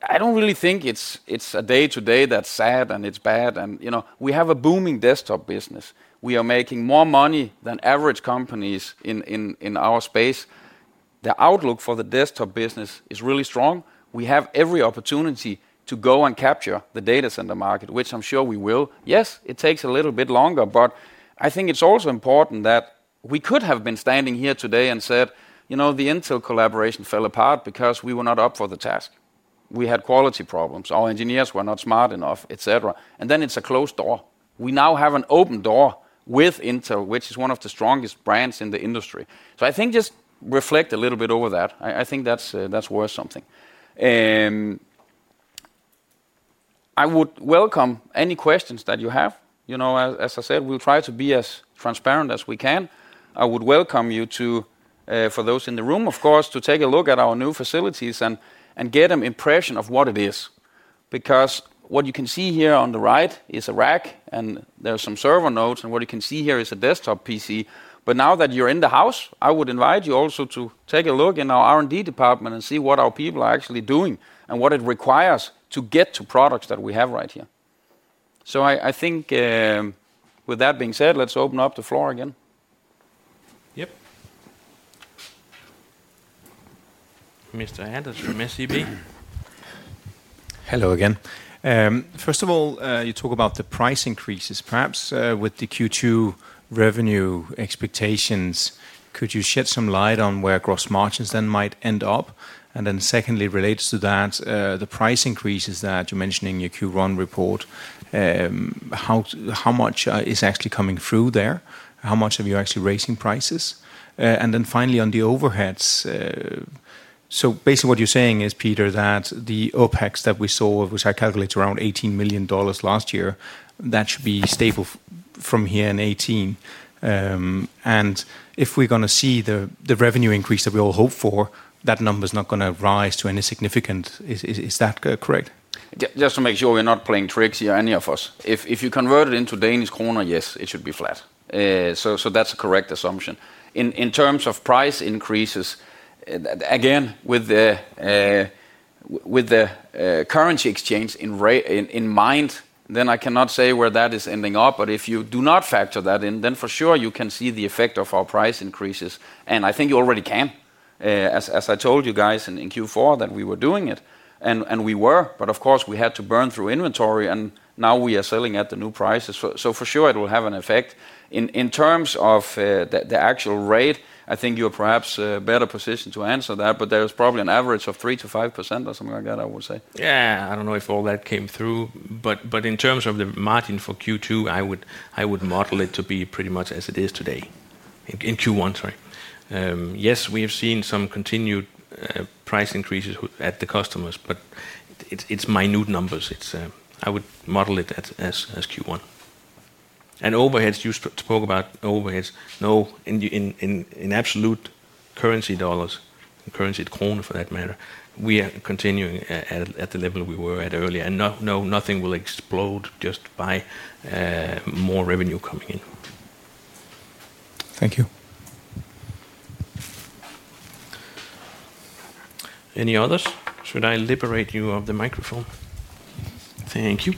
I don't really think it's a day-to-day that's sad and it's bad. We have a booming desktop business. We are making more money than average companies in our space. The outlook for the desktop business is really strong. We have every opportunity to go and capture the data center market, which I'm sure we will. Yes, it takes a little bit longer, I think it's also important that we could have been standing here today and said, "The Intel collaboration fell apart because we were not up for the task. We had quality problems. Our engineers were not smart enough, et cetera." Then it's a closed door. We now have an open door with Intel, which is one of the strongest brands in the industry. I think just reflect a little bit over that. I think that's worth something. I would welcome any questions that you have. As I said, we'll try to be as transparent as we can. I would welcome you to, for those in the room, of course, to take a look at our new facilities and get an impression of what it is. What you can see here on the right is a rack, and there's some server nodes, and what you can see here is a desktop PC. Now that you're in the house, I would invite you also to take a look in our R&D department and see what our people are actually doing and what it requires to get to products that we have right here. I think, with that being said, let's open up the floor again. Yep. Mr. Anderson from SEB. Hello again. You talk about the price increases. Perhaps, with the Q2 revenue expectations, could you shed some light on where gross margins then might end up? Secondly, related to that, the price increases that you mentioned in your Q1 report, how much is actually coming through there? How much have you actually raising prices? Finally, on the overheads. What you're saying is, Peter, that the OPEX that we saw, which I calculate around DKK 18 million last year, that should be stable from here in 2018. If we're going to see the revenue increase that we all hope for, that number's not going to rise to any significant. Is that correct? Just to make sure we're not playing tricks here, any of us. If you convert it into DKK, yes, it should be flat. That's a correct assumption. In terms of price increases, again, with the currency exchange in mind, I cannot say where that is ending up, but if you do not factor that in, for sure you can see the effect of our price increases. I think you already can. As I told you guys in Q4 that we were doing it, and we were, but of course, we had to burn through inventory and now we are selling at the new prices. For sure it will have an effect. In terms of the actual rate, I think you're perhaps better positioned to answer that, but there is probably an average of 3%-5% or something like that, I would say. Yeah. I don't know if all that came through, in terms of the margin for Q2, I would model it to be pretty much as it is today. In Q1, sorry. Yes, we have seen some continued price increases at the customers, but it's minute numbers. I would model it as Q1. Overheads, you spoke about overheads. No, in absolute currency dollars, currency kroner for that matter, we are continuing at the level we were at earlier. No, nothing will explode just by more revenue coming in. Thank you. Any others? Should I liberate you of the microphone? Thank you.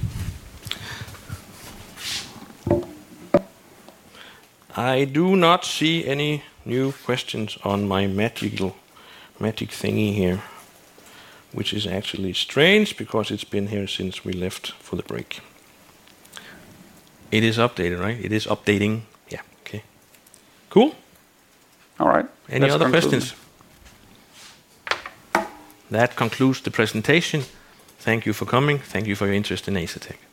I do not see any new questions on my magic thingy here, which is actually strange because it's been here since we left for the break. It is updating, right? It is updating. Yeah. Okay. Cool. All right. Any other questions? That concludes the presentation. Thank you for coming. Thank you for your interest in Asetek. Thank you.